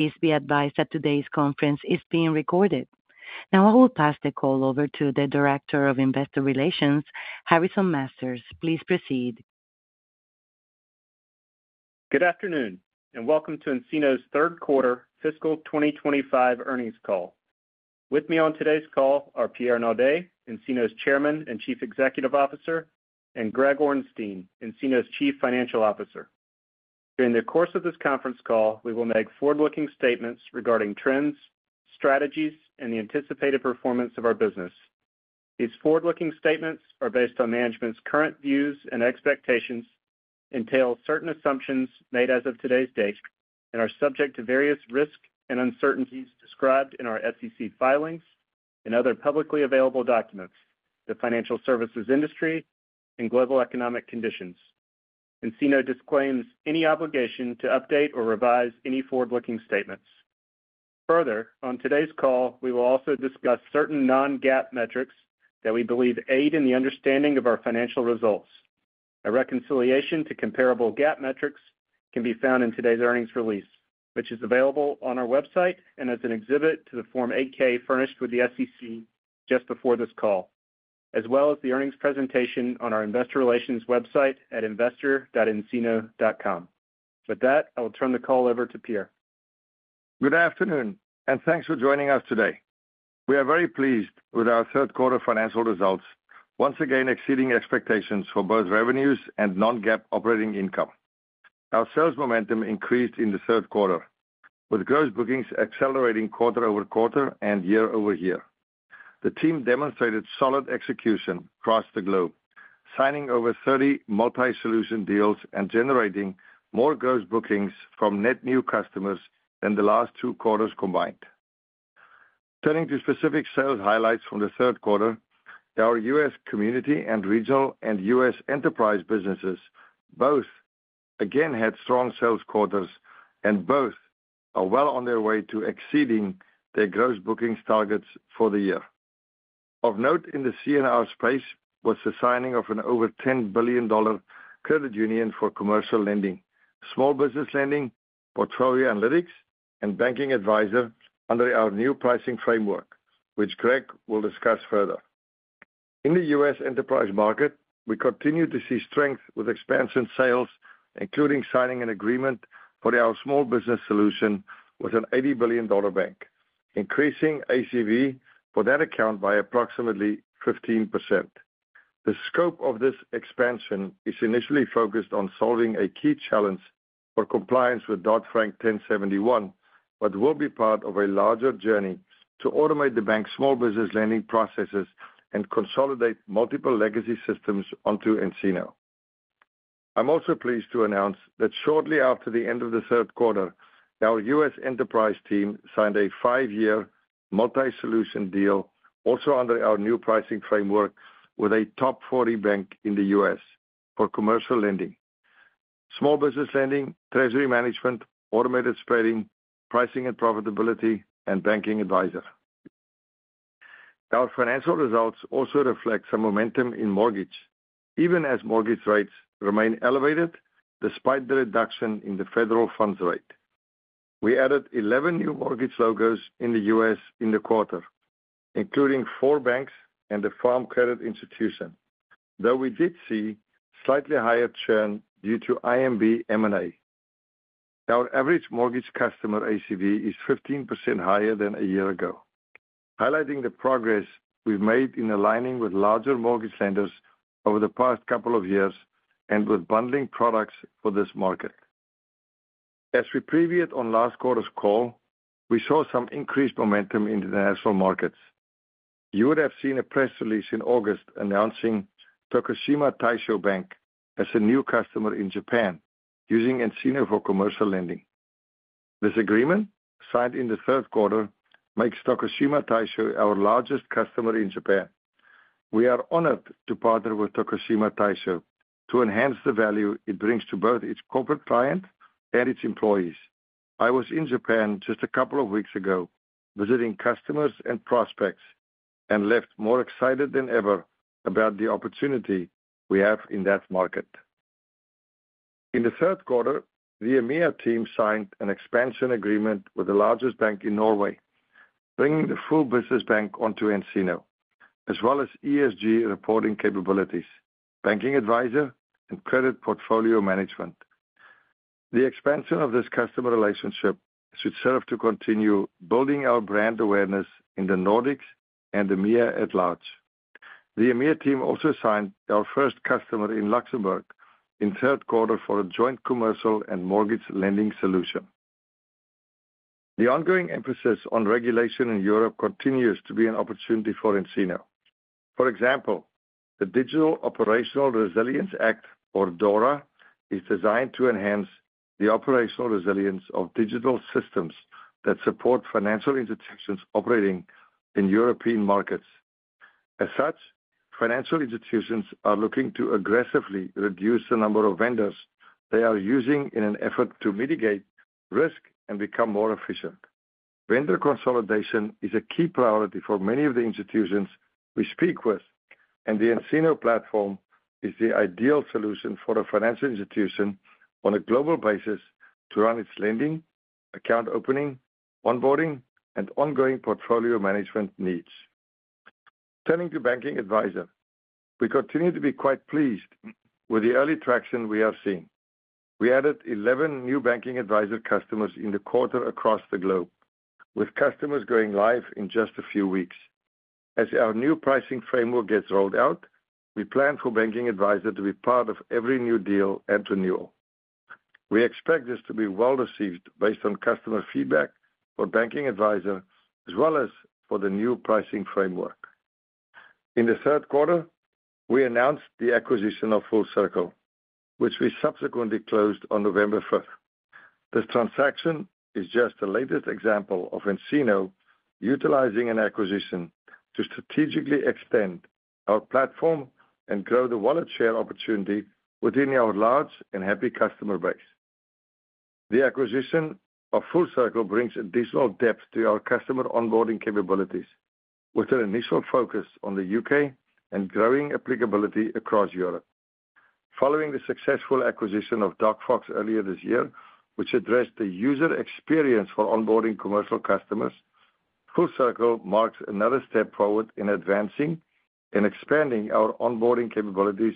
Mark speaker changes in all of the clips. Speaker 1: Please be advised that today's conference is being recorded. Now, I will pass the call over to the Director of Investor Relations, Harrison Masters. Please proceed.
Speaker 2: Good afternoon, and welcome to nCino's third quarter fiscal 2025 earnings call. With me on today's call are Pierre Naudé, nCino's Chairman and Chief Executive Officer, and Greg Orenstein, nCino's Chief Financial Officer. During the course of this conference call, we will make forward-looking statements regarding trends, strategies, and the anticipated performance of our business. These forward-looking statements are based on management's current views and expectations, entail certain assumptions made as of today's date, and are subject to various risks and uncertainties described in our SEC filings and other publicly available documents for the financial services industry and global economic conditions. nCino disclaims any obligation to update or revise any forward-looking statements. Further, on today's call, we will also discuss certain non-GAAP metrics that we believe aid in the understanding of our financial results. A reconciliation to comparable GAAP metrics can be found in today's earnings release, which is available on our website and as an exhibit to the Form 8-K furnished with the SEC just before this call, as well as the earnings presentation on our Investor Relations website at investor.ncino.com. With that, I will turn the call over to Pierre.
Speaker 3: Good afternoon, and thanks for joining us today. We are very pleased with our third quarter financial results, once again exceeding expectations for both revenues and non-GAAP operating income. Our sales momentum increased in the third quarter, with gross bookings accelerating quarter over quarter and year over year. The team demonstrated solid execution across the globe, signing over 30 multi-solution deals and generating more gross bookings from net new customers than the last two quarters combined. Turning to specific sales highlights from the third quarter, our U.S. community and regional and U.S. enterprise businesses both again had strong sales quarters and both are well on their way to exceeding their gross bookings targets for the year. Of note in the C&R space was the signing of an over $10 billion credit union for commercial lending, small business lending, portfolio analytics, and Banking Advisor under our new pricing framework, which Greg will discuss further. In the U.S. enterprise market, we continue to see strength with expansion sales, including signing an agreement for our small business solution with an $80 billion bank, increasing ACV for that account by approximately 15%. The scope of this expansion is initially focused on solving a key challenge for compliance with Dodd-Frank 1071, but will be part of a larger journey to automate the bank's small business lending processes and consolidate multiple legacy systems onto nCino. I'm also pleased to announce that shortly after the end of the third quarter, our U.S. enterprise team signed a five-year multi-solution deal, also under our new pricing framework, with a top 40 bank in the U.S. for commercial lending, small business lending, treasury management, automated spreading, pricing and profitability, and Banking Advisor. Our financial results also reflect some momentum in mortgage, even as mortgage rates remain elevated despite the reduction in the federal funds rate. We added 11 new mortgage logos in the U.S. in the quarter, including four banks and a farm credit institution, though we did see a slightly higher churn due to IMB M&A. Our average mortgage customer ACV is 15% higher than a year ago, highlighting the progress we've made in aligning with larger mortgage lenders over the past couple of years and with bundling products for this market. As we previewed on last quarter's call, we saw some increased momentum in the international markets. You would have seen a press release in August announcing Tokushima Taisho Bank as a new customer in Japan, using nCino for commercial lending. This agreement, signed in the third quarter, makes Tokushima Taisho our largest customer in Japan. We are honored to partner with Tokushima Taisho to enhance the value it brings to both its corporate clients and its employees. I was in Japan just a couple of weeks ago, visiting customers and prospects, and left more excited than ever about the opportunity we have in that market. In the third quarter, the EMEA team signed an expansion agreement with the largest bank in Norway, bringing the full business bank onto nCino, as well as ESG reporting capabilities, Banking Advisor, and credit portfolio management. The expansion of this customer relationship should serve to continue building our brand awareness in the Nordics and EMEA at large. The EMEA team also signed our first customer in Luxembourg in the third quarter for a joint commercial and mortgage lending solution. The ongoing emphasis on regulation in Europe continues to be an opportunity for nCino. For example, the Digital Operational Resilience Act, or DORA, is designed to enhance the operational resilience of digital systems that support financial institutions operating in European markets. As such, financial institutions are looking to aggressively reduce the number of vendors they are using in an effort to mitigate risk and become more efficient. Vendor consolidation is a key priority for many of the institutions we speak with, and the nCino platform is the ideal solution for a financial institution on a global basis to run its lending, account opening, onboarding, and ongoing portfolio management needs. Turning to Banking Advisor, we continue to be quite pleased with the early traction we have seen. We added 11 new Banking Advisor customers in the quarter across the globe, with customers going live in just a few weeks. As our new pricing framework gets rolled out, we plan for Banking Advisor to be part of every new deal and renewal. We expect this to be well received based on customer feedback for Banking Advisor, as well as for the new pricing framework. In the third quarter, we announced the acquisition of FullCircl, which we subsequently closed on November 5th. This transaction is just the latest example of nCino utilizing an acquisition to strategically extend our platform and grow the wallet share opportunity within our large and happy customer base. The acquisition of FullCircl brings additional depth to our customer onboarding capabilities, with an initial focus on the U.K. and growing applicability across Europe. Following the successful acquisition of DocFox earlier this year, which addressed the user experience for onboarding commercial customers, FullCircl marks another step forward in advancing and expanding our onboarding capabilities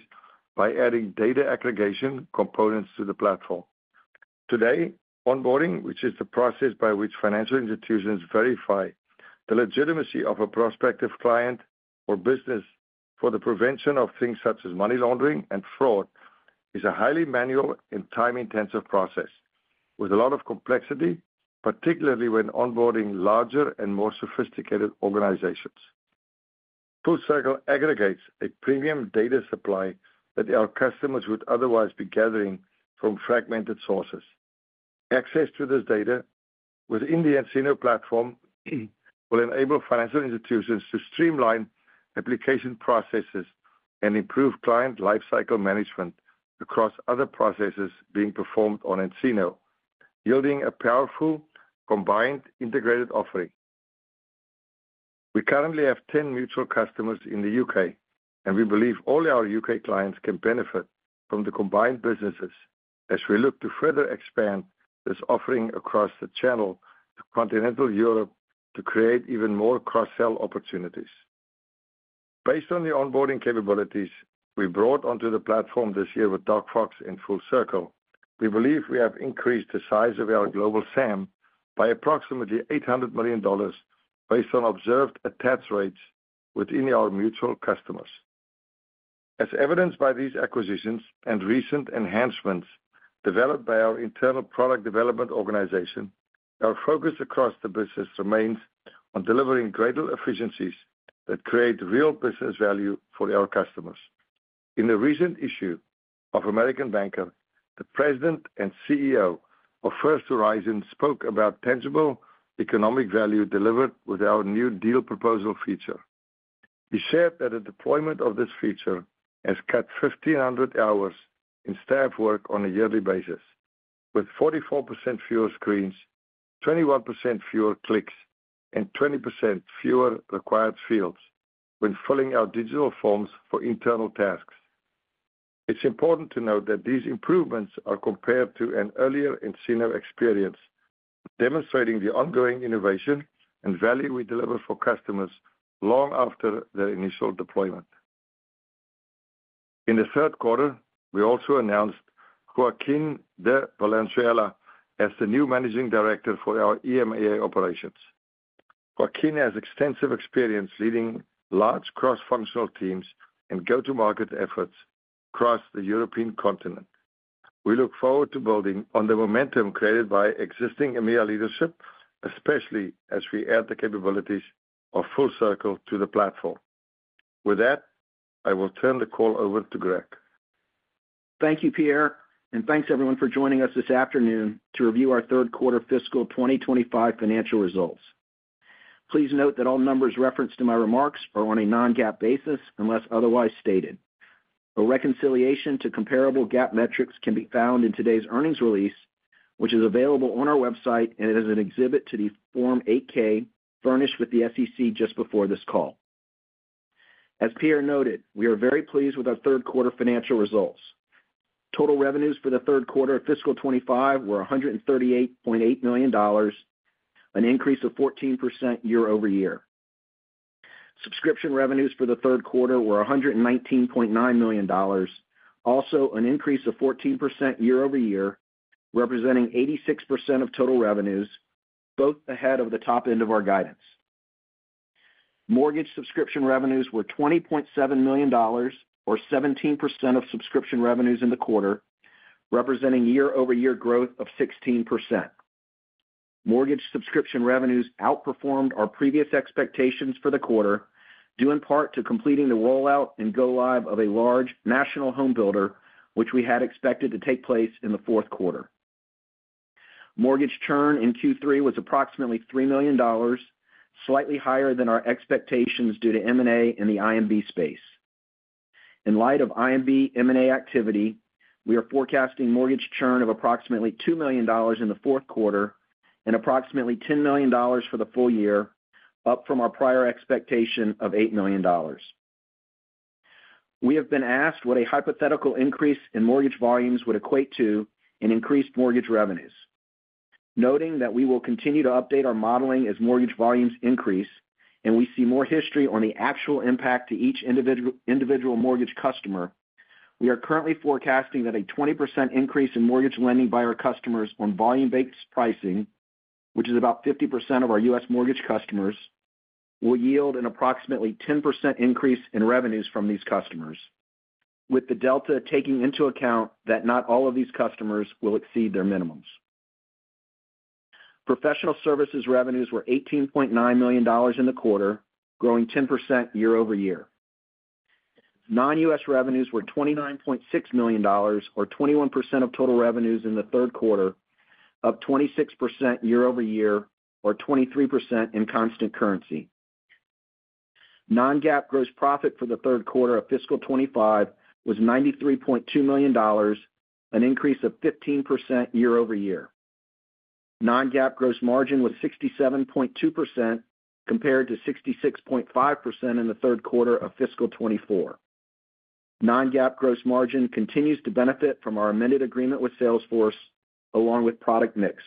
Speaker 3: by adding data aggregation components to the platform. Today, onboarding, which is the process by which financial institutions verify the legitimacy of a prospective client or business for the prevention of things such as money laundering and fraud, is a highly manual and time-intensive process, with a lot of complexity, particularly when onboarding larger and more sophisticated organizations. FullCircl aggregates a premium data supply that our customers would otherwise be gathering from fragmented sources. Access to this data within the nCino platform will enable financial institutions to streamline application processes and improve client lifecycle management across other processes being performed on nCino, yielding a powerful combined integrated offering. We currently have 10 mutual customers in the U.K., and we believe all our U.K. clients can benefit from the combined businesses as we look to further expand this offering across the channel to continental Europe to create even more cross-sell opportunities. Based on the onboarding capabilities we brought onto the platform this year with DocFox and FullCircl, we believe we have increased the size of our global SAM by approximately $800 million based on observed attach rates within our mutual customers. As evidenced by these acquisitions and recent enhancements developed by our internal product development organization, our focus across the business remains on delivering greater efficiencies that create real business value for our customers. In the recent issue of American Banker, the President and CEO of First Horizon spoke about tangible economic value delivered with our new deal proposal feature. He shared that the deployment of this feature has cut 1,500 hours in staff work on a yearly basis, with 44% fewer screens, 21% fewer clicks, and 20% fewer required fields when filling out digital forms for internal tasks. It's important to note that these improvements are compared to an earlier nCino experience, demonstrating the ongoing innovation and value we deliver for customers long after their initial deployment. In the third quarter, we also announced Joaquin De Valenzuela as the new Managing Director for our EMEA operations. Joaquin has extensive experience leading large cross-functional teams and go-to-market efforts across the European continent. We look forward to building on the momentum created by existing EMEA leadership, especially as we add the capabilities of FullCircl to the platform. With that, I will turn the call over to Greg.
Speaker 4: Thank you, Pierre, and thanks everyone for joining us this afternoon to review our third quarter fiscal 2025 financial results. Please note that all numbers referenced in my remarks are on a non-GAAP basis unless otherwise stated. A reconciliation to comparable GAAP metrics can be found in today's earnings release, which is available on our website and is an exhibit to the Form 8-K furnished with the SEC just before this call. As Pierre noted, we are very pleased with our third quarter financial results. Total revenues for the third quarter of fiscal 2025 were $138.8 million, an increase of 14% year over year. Subscription revenues for the third quarter were $119.9 million, also an increase of 14% year over year, representing 86% of total revenues, both ahead of the top end of our guidance. Mortgage subscription revenues were $20.7 million, or 17% of subscription revenues in the quarter, representing year-over-year growth of 16%. Mortgage subscription revenues outperformed our previous expectations for the quarter, due in part to completing the rollout and go-live of a large national home builder, which we had expected to take place in the fourth quarter. Mortgage churn in Q3 was approximately $3 million, slightly higher than our expectations due to M&A in the IMB space. In light of IMB M&A activity, we are forecasting mortgage churn of approximately $2 million in the fourth quarter and approximately $10 million for the full year, up from our prior expectation of $8 million. We have been asked what a hypothetical increase in mortgage volumes would equate to in increased mortgage revenues. Noting that we will continue to update our modeling as mortgage volumes increase and we see more history on the actual impact to each individual mortgage customer, we are currently forecasting that a 20% increase in mortgage lending by our customers on volume-based pricing, which is about 50% of our U.S. mortgage customers, will yield an approximately 10% increase in revenues from these customers, with the delta taking into account that not all of these customers will exceed their minimums. Professional services revenues were $18.9 million in the quarter, growing 10% year over year. Non-U.S. revenues were $29.6 million, or 21% of total revenues in the third quarter, up 26% year over year, or 23% in constant currency. Non-GAAP gross profit for the third quarter of fiscal 2025 was $93.2 million, an increase of 15% year over year. Non-GAAP gross margin was 67.2% compared to 66.5% in the third quarter of fiscal 2024. Non-GAAP gross margin continues to benefit from our amended agreement with Salesforce, along with product mix.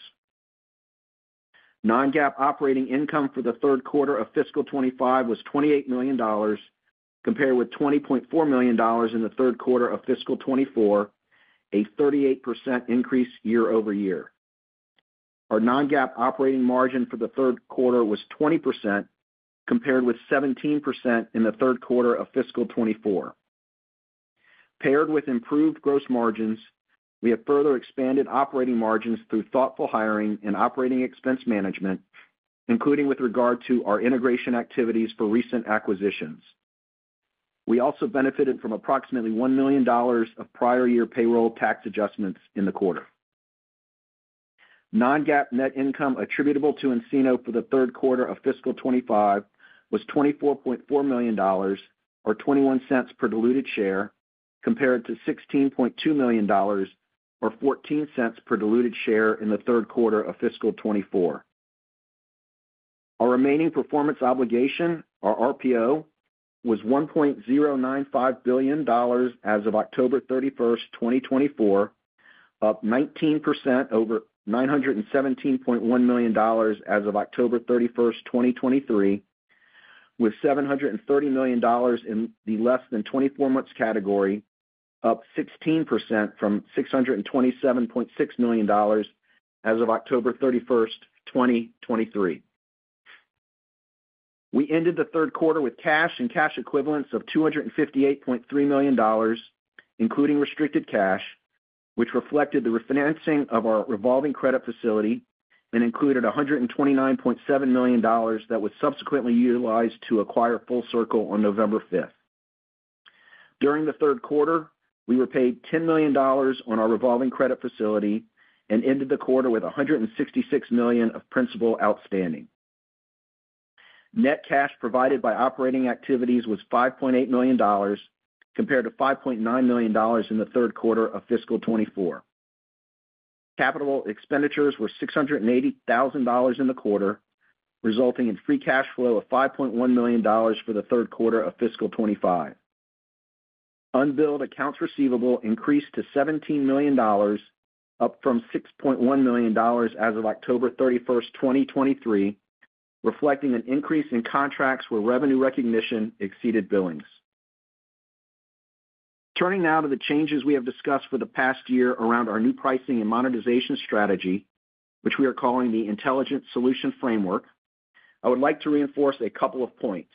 Speaker 4: Non-GAAP operating income for the third quarter of fiscal 2025 was $28 million, compared with $20.4 million in the third quarter of fiscal 2024, a 38% increase year over year. Our non-GAAP operating margin for the third quarter was 20%, compared with 17% in the third quarter of fiscal 2024. Paired with improved gross margins, we have further expanded operating margins through thoughtful hiring and operating expense management, including with regard to our integration activities for recent acquisitions. We also benefited from approximately $1 million of prior year payroll tax adjustments in the quarter. Non-GAAP net income attributable to nCino for the third quarter of fiscal 25 was $24.4 million, or $0.21 per diluted share, compared to $16.2 million, or $0.14 per diluted share in the third quarter of fiscal 24. Our remaining performance obligation, or RPO, was $1.095 billion as of October 31st, 2024, up 19% over $917.1 million as of October 31st, 2023, with $730 million in the less than 24 months category, up 16% from $627.6 million as of October 31st, 2023. We ended the third quarter with cash and cash equivalents of $258.3 million, including restricted cash, which reflected the refinancing of our revolving credit facility and included $129.7 million that was subsequently utilized to acquire FullCircl on November 5th. During the third quarter, we were paid $10 million on our revolving credit facility and ended the quarter with $166 million of principal outstanding. Net cash provided by operating activities was $5.8 million, compared to $5.9 million in the third quarter of fiscal 2024. Capital expenditures were $680,000 in the quarter, resulting in free cash flow of $5.1 million for the third quarter of fiscal 2025. Unbilled accounts receivable increased to $17 million, up from $6.1 million as of October 31st, 2023, reflecting an increase in contracts where revenue recognition exceeded billings. Turning now to the changes we have discussed for the past year around our new pricing and monetization strategy, which we are calling the Intelligent Solution Framework, I would like to reinforce a couple of points.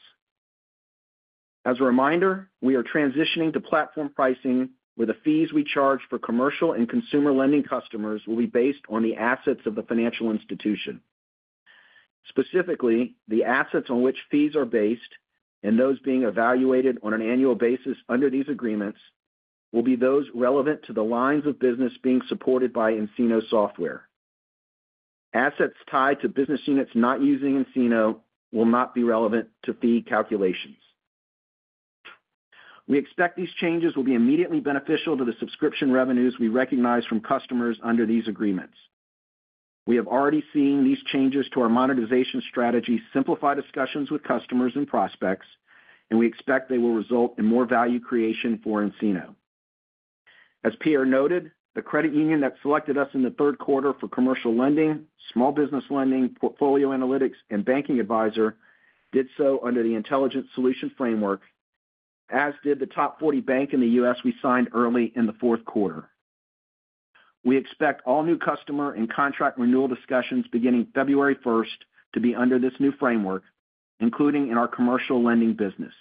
Speaker 4: As a reminder, we are transitioning to platform pricing, where the fees we charge for commercial and consumer lending customers will be based on the assets of the financial institution. Specifically, the assets on which fees are based, and those being evaluated on an annual basis under these agreements, will be those relevant to the lines of business being supported by nCino software. Assets tied to business units not using nCino will not be relevant to fee calculations. We expect these changes will be immediately beneficial to the subscription revenues we recognize from customers under these agreements. We have already seen these changes to our monetization strategy simplify discussions with customers and prospects, and we expect they will result in more value creation for nCino. As Pierre noted, the credit union that selected us in the third quarter for commercial lending, small business lending, portfolio analytics, and Banking Advisor did so under the Intelligent Solution Framework, as did the top 40 bank in the U.S. we signed early in the fourth quarter. We expect all new customer and contract renewal discussions beginning February 1st to be under this new framework, including in our commercial lending business.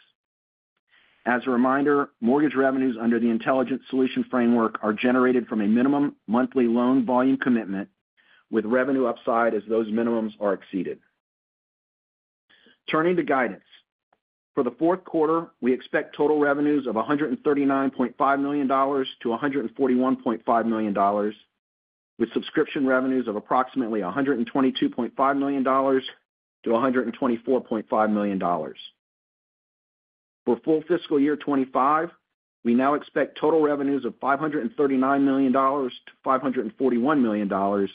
Speaker 4: As a reminder, mortgage revenues under the Intelligent Solution Framework are generated from a minimum monthly loan volume commitment, with revenue upside as those minimums are exceeded. Turning to guidance, for the fourth quarter, we expect total revenues of $139.5 million-$141.5 million, with subscription revenues of approximately $122.5 million-$124.5 million. For full fiscal year 2025, we now expect total revenues of $539 million-$541 million,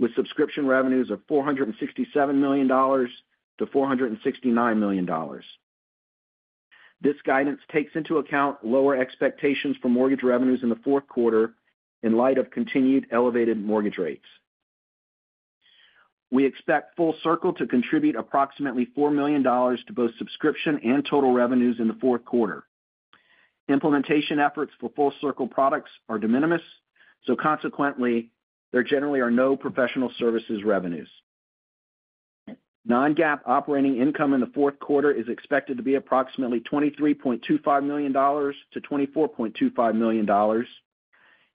Speaker 4: with subscription revenues of $467 million-$469 million. This guidance takes into account lower expectations for mortgage revenues in the fourth quarter in light of continued elevated mortgage rates. We expect FullCircl to contribute approximately $4 million to both subscription and total revenues in the fourth quarter. Implementation efforts for FullCircl products are de minimis, so consequently, there generally are no professional services revenues. Non-GAAP operating income in the fourth quarter is expected to be approximately $23.25 million-$24.25 million,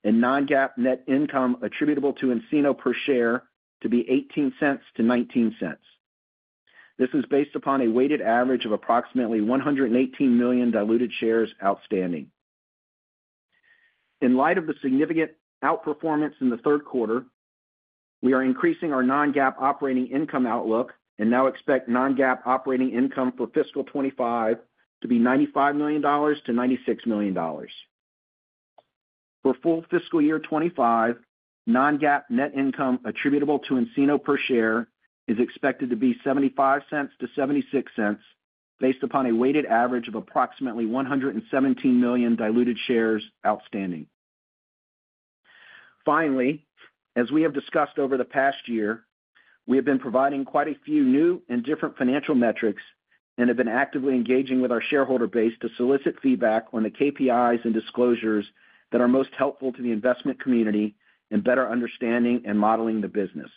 Speaker 4: and non-GAAP net income attributable to nCino per share to be $0.18-$0.19. This is based upon a weighted average of approximately 118 million diluted shares outstanding. In light of the significant outperformance in the third quarter, we are increasing our non-GAAP operating income outlook and now expect non-GAAP operating income for fiscal 2025 to be $95 million-$96 million. For full fiscal year 2025, non-GAAP net income attributable to nCino per share is expected to be $0.75-$0.76, based upon a weighted average of approximately 117 million diluted shares outstanding. Finally, as we have discussed over the past year, we have been providing quite a few new and different financial metrics and have been actively engaging with our shareholder base to solicit feedback on the KPIs and disclosures that are most helpful to the investment community in better understanding and modeling the business.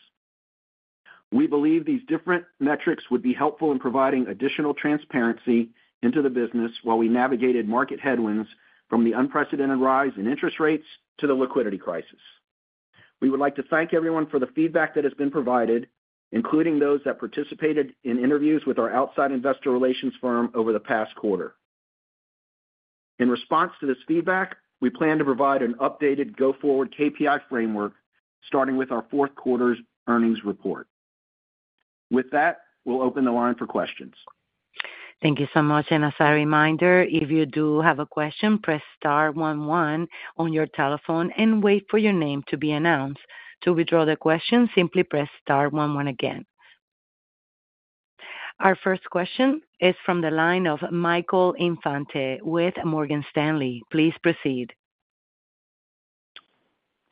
Speaker 4: We believe these different metrics would be helpful in providing additional transparency into the business while we navigated market headwinds from the unprecedented rise in interest rates to the liquidity crisis. We would like to thank everyone for the feedback that has been provided, including those that participated in interviews with our outside investor relations firm over the past quarter. In response to this feedback, we plan to provide an updated go-forward KPI framework, starting with our fourth quarter's earnings report. With that, we'll open the line for questions.
Speaker 1: Thank you so much. And as a reminder, if you do have a question, press star 11 on your telephone and wait for your name to be announced. To withdraw the question, simply press star 11 again. Our first question is from the line of Michael Infante with Morgan Stanley. Please proceed.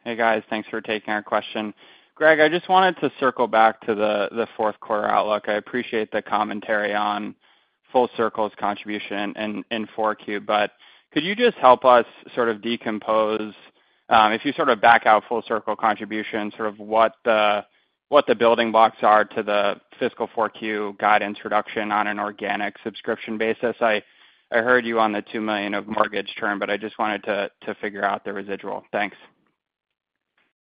Speaker 5: Hey, guys. Thanks for taking our question. Greg, I just wanted to circle back to the fourth quarter outlook. I appreciate the commentary on FullCircl's contribution in 4Q, but could you just help us sort of decompose, if you sort of back out FullCircl contribution, sort of what the building blocks are to the fiscal 4Q guidance reduction on an organic subscription basis? I heard you on the $2 million of mortgage term, but I just wanted to figure out the residual. Thanks.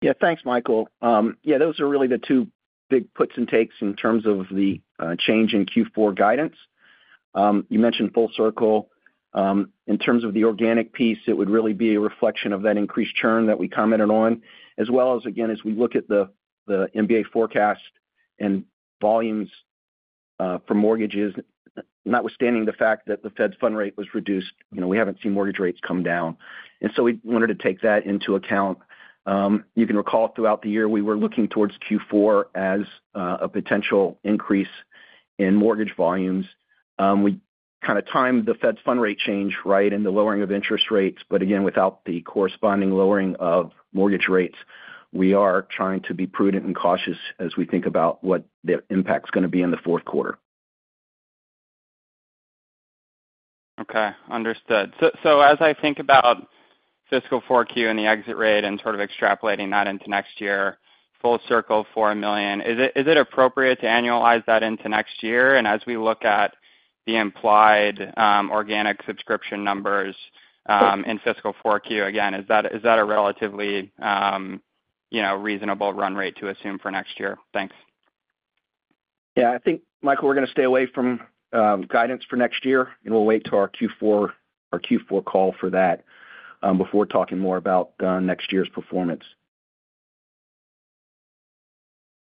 Speaker 4: Yeah, thanks, Michael. Yeah, those are really the two big puts and takes in terms of the change in Q4 guidance. You mentioned FullCircl. In terms of the organic piece, it would really be a reflection of that increased churn that we commented on, as well as, again, as we look at the MBA forecast and volumes for mortgages, notwithstanding the fact that the Fed's fund rate was reduced. We haven't seen mortgage rates come down. And so we wanted to take that into account. You can recall throughout the year we were looking towards Q4 as a potential increase in mortgage volumes. We kind of timed the Fed's fund rate change right and the lowering of interest rates, but again, without the corresponding lowering of mortgage rates, we are trying to be prudent and cautious as we think about what the impact's going to be in the fourth quarter.
Speaker 5: Okay. Understood. So as I think about fiscal 4Q and the exit rate and sort of extrapolating that into next year, FullCircl 4 million, is it appropriate to annualize that into next year? And as we look at the implied organic subscription numbers in fiscal 4Q, again, is that a relatively reasonable run rate to assume for next year? Thanks.
Speaker 4: Yeah, I think, Michael, we're going to stay away from guidance for next year, and we'll wait till our Q4 call for that before talking more about next year's performance.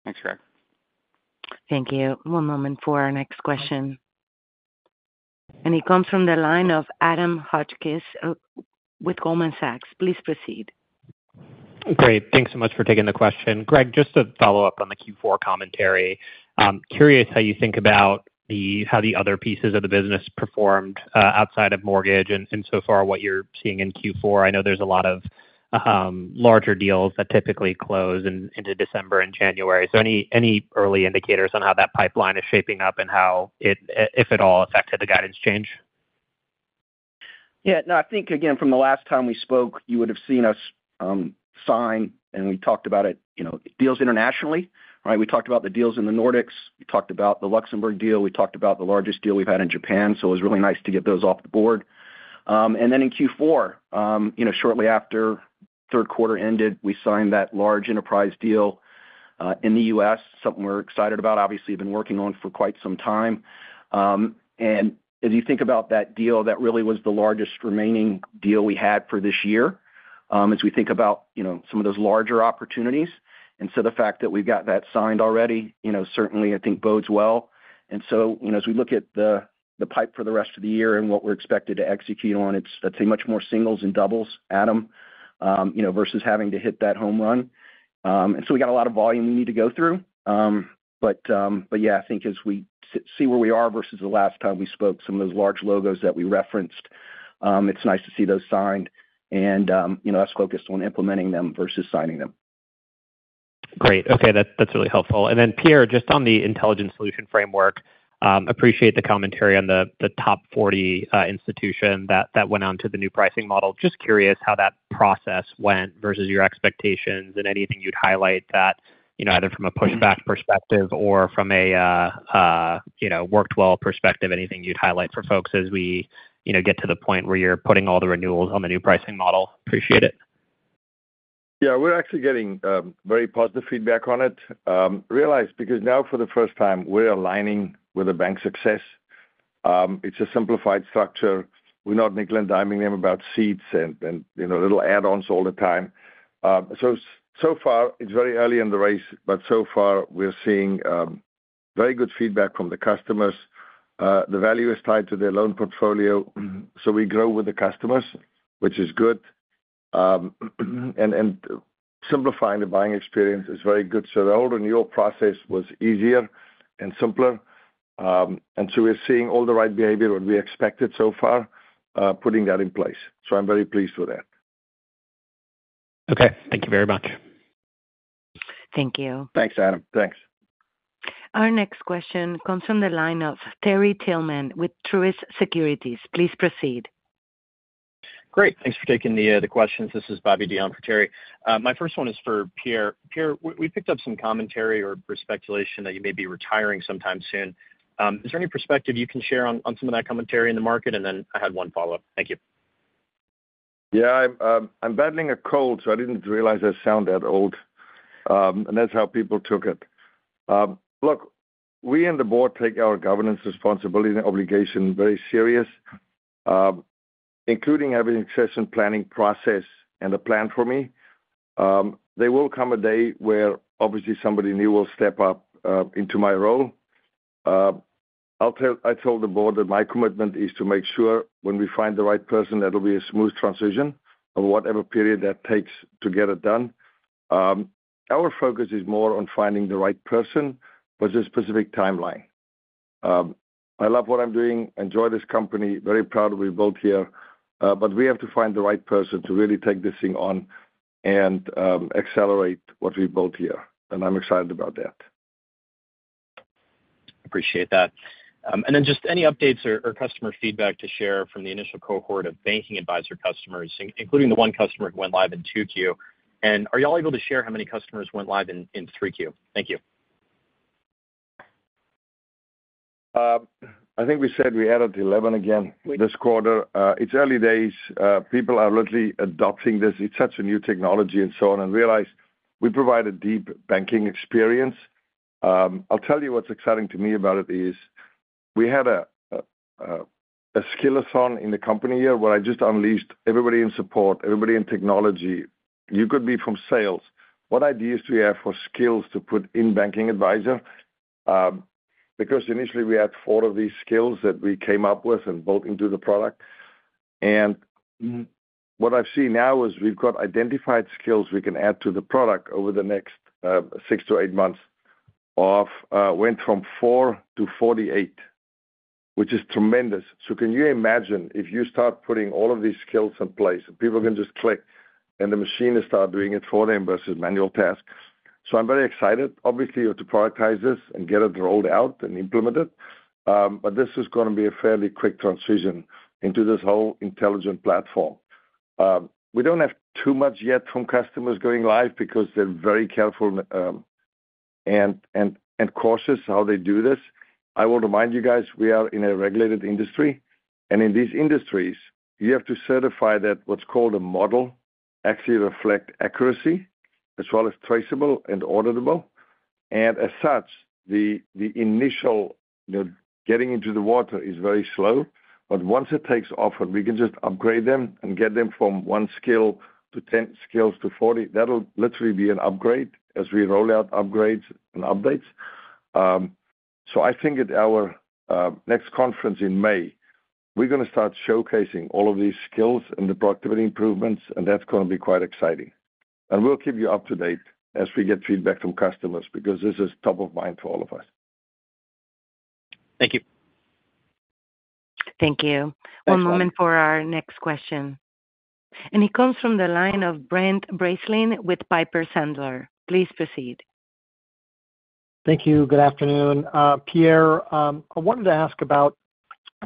Speaker 5: Thanks, Greg.
Speaker 1: Thank you. One moment for our next question. And it comes from the line of Adam Hotchkiss with Goldman Sachs. Please proceed.
Speaker 6: Great. Thanks so much for taking the question. Greg, just to follow up on the Q4 commentary, curious how you think about how the other pieces of the business performed outside of mortgage and so far what you're seeing in Q4. I know there's a lot of larger deals that typically close into December and January. So any early indicators on how that pipeline is shaping up and how it, if at all, affected the guidance change?
Speaker 4: Yeah. No, I think, again, from the last time we spoke, you would have seen us sign, and we talked about it, deals internationally. We talked about the deals in the Nordics. We talked about the Luxembourg deal. We talked about the largest deal we've had in Japan. So it was really nice to get those off the board. And then in Q4, shortly after third quarter ended, we signed that large enterprise deal in the U.S., something we're excited about, obviously been working on for quite some time. And as you think about that deal, that really was the largest remaining deal we had for this year as we think about some of those larger opportunities. And so the fact that we've got that signed already, certainly, I think, bodes well. And so as we look at the pipe for the rest of the year and what we're expected to execute on, it's a much more singles and doubles, Adam, versus having to hit that home run. And so we got a lot of volume we need to go through. But yeah, I think as we see where we are versus the last time we spoke, some of those large logos that we referenced. It's nice to see those signed and us focused on implementing them versus signing them.
Speaker 6: Great. Okay. That's really helpful, and then Pierre, just on the Intelligent Solution Framework, appreciate the commentary on the top 40 institution that went on to the new pricing model. Just curious how that process went versus your expectations and anything you'd highlight that either from a pushback perspective or from a worked well perspective, anything you'd highlight for folks as we get to the point where you're putting all the renewals on the new pricing model. Appreciate it.
Speaker 3: Yeah, we're actually getting very positive feedback on it. Realize because now for the first time, we're aligning with the bank's success. It's a simplified structure. We're not nickel-and-diming them about seats and little add-ons all the time. So far, it's very early in the race, but so far, we're seeing very good feedback from the customers. The value is tied to their loan portfolio. So we grow with the customers, which is good. And simplifying the buying experience is very good. So the old renewal process was easier and simpler. And so we're seeing all the right behavior, what we expected so far, putting that in place. So I'm very pleased with that.
Speaker 6: Okay. Thank you very much.
Speaker 1: Thank you.
Speaker 3: Thanks, Adam. Thanks.
Speaker 1: Our next question comes from the line of Terry Tillman with Truist Securities. Please proceed.
Speaker 7: Great. Thanks for taking the questions. This is Bobby Deion for Terry. My first one is for Pierre. Pierre, we picked up some commentary or speculation that you may be retiring sometime soon. Is there any perspective you can share on some of that commentary in the market? And then I had one follow-up. Thank you.
Speaker 3: Yeah, I'm battling a cold, so I didn't realize I sounded that old. And that's how people took it. Look, we and the board take our governance responsibility and obligation very seriously, including having a succession planning process and a plan for me. There will come a day where obviously somebody new will step up into my role. I told the board that my commitment is to make sure when we find the right person, that'll be a smooth transition of whatever period that takes to get it done. Our focus is more on finding the right person, but there's a specific timeline. I love what I'm doing. I enjoy this company. Very proud we're both here. But we have to find the right person to really take this thing on and accelerate what we've built here. And I'm excited about that.
Speaker 7: Appreciate that. And then just any updates or customer feedback to share from the initial cohort of banking advisor customers, including the one customer who went live in 2Q. And are y'all able to share how many customers went live in 3Q? Thank you.
Speaker 3: I think we said we added 11 again this quarter. It's early days. People are literally adopting this. It's such a new technology and so on. And realize we provide a deep banking experience. I'll tell you what's exciting to me about it is we had a skillathon in the company here where I just unleashed everybody in support, everybody in technology. You could be from sales. What ideas do you have for skills to put in Banking Advisor? Because initially, we had four of these skills that we came up with and built into the product. And what I've seen now is we've got identified skills we can add to the product over the next six to eight months of went from four to 48, which is tremendous. So can you imagine if you start putting all of these skills in place and people can just click and the machine is started doing it for them versus manual tasks? So I'm very excited, obviously, to prioritize this and get it rolled out and implement it. But this is going to be a fairly quick transition into this whole intelligent platform. We don't have too much yet from customers going live because they're very careful and cautious how they do this. I will remind you guys, we are in a regulated industry. And in these industries, you have to certify that what's called a model actually reflects accuracy as well as traceable and auditable. And as such, the initial getting into the water is very slow. But once it takes off, we can just upgrade them and get them from one skill to 10 skills to 40. That'll literally be an upgrade as we roll out upgrades and updates. So I think at our next conference in May, we're going to start showcasing all of these skills and the productivity improvements, and that's going to be quite exciting. And we'll keep you up to date as we get feedback from customers because this is top of mind for all of us.
Speaker 7: Thank you.
Speaker 1: Thank you. One moment for our next question. And it comes from the line of Brent Bracelin with Piper Sandler. Please proceed.
Speaker 8: Thank you. Good afternoon. Pierre, I wanted to ask about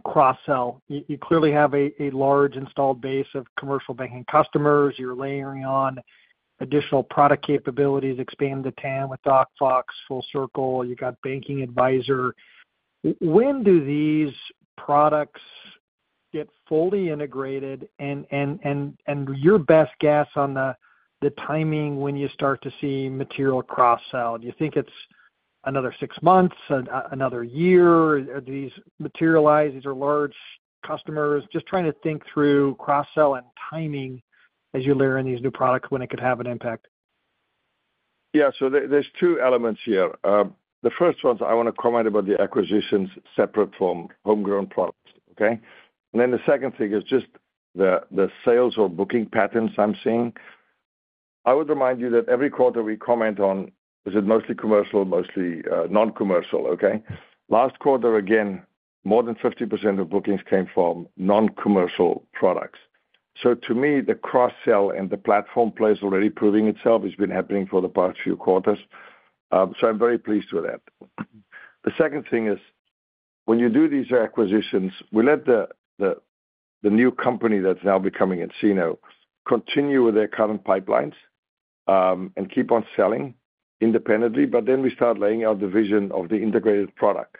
Speaker 8: cross-sell. You clearly have a large installed base of commercial banking customers. You're layering on additional product capabilities, expanding the TAM with DocFox, FullCircl. You got Banking Advisor. When do these products get fully integrated? And your best guess on the timing when you start to see material cross-sell? Do you think it's another six months, another year? Are these materialized? These are large customers. Just trying to think through cross-sell and timing as you layer in these new products when it could have an impact.
Speaker 3: Yeah. So there's two elements here. The first one is I want to comment about the acquisitions separate from homegrown products, okay? And then the second thing is just the sales or booking patterns I'm seeing. I would remind you that every quarter we comment on, is it mostly commercial, mostly non-commercial, okay? Last quarter, again, more than 50% of bookings came from non-commercial products. So to me, the cross-sell and the platform plays already proving itself. It's been happening for the past few quarters. So I'm very pleased with that. The second thing is when you do these acquisitions, we let the new company that's now becoming nCino continue with their current pipelines and keep on selling independently, but then we start laying out the vision of the integrated product.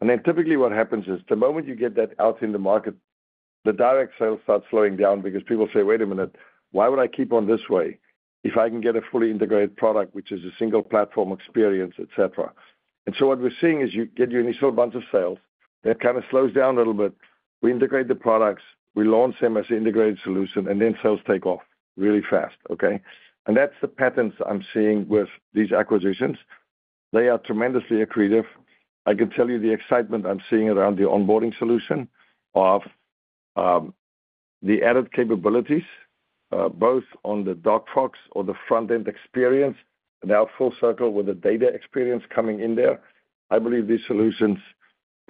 Speaker 3: Then typically what happens is the moment you get that out in the market, the direct sales start slowing down because people say, "Wait a minute, why would I keep on this way if I can get a fully integrated product, which is a single platform experience, etc.?" And so what we're seeing is you get your initial bunch of sales. It kind of slows down a little bit. We integrate the products. We launch them as an integrated solution, and then sales take off really fast, okay? And that's the patterns I'm seeing with these acquisitions. They are tremendously accretive. I can tell you the excitement I'm seeing around the onboarding solution of the added capabilities, both on the DocFox or the front-end experience, and now FullCircl with the data experience coming in there. I believe these solutions,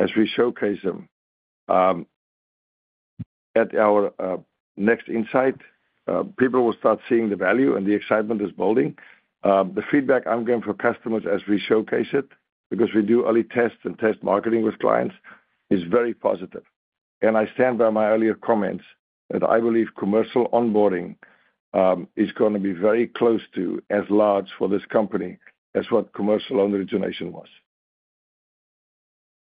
Speaker 3: as we showcase them at our next insight, people will start seeing the value, and the excitement is building. The feedback I'm getting from customers as we showcase it, because we do early tests and test marketing with clients, is very positive. And I stand by my earlier comments that I believe commercial onboarding is going to be very close to as large for this company as what commercial loan origination was.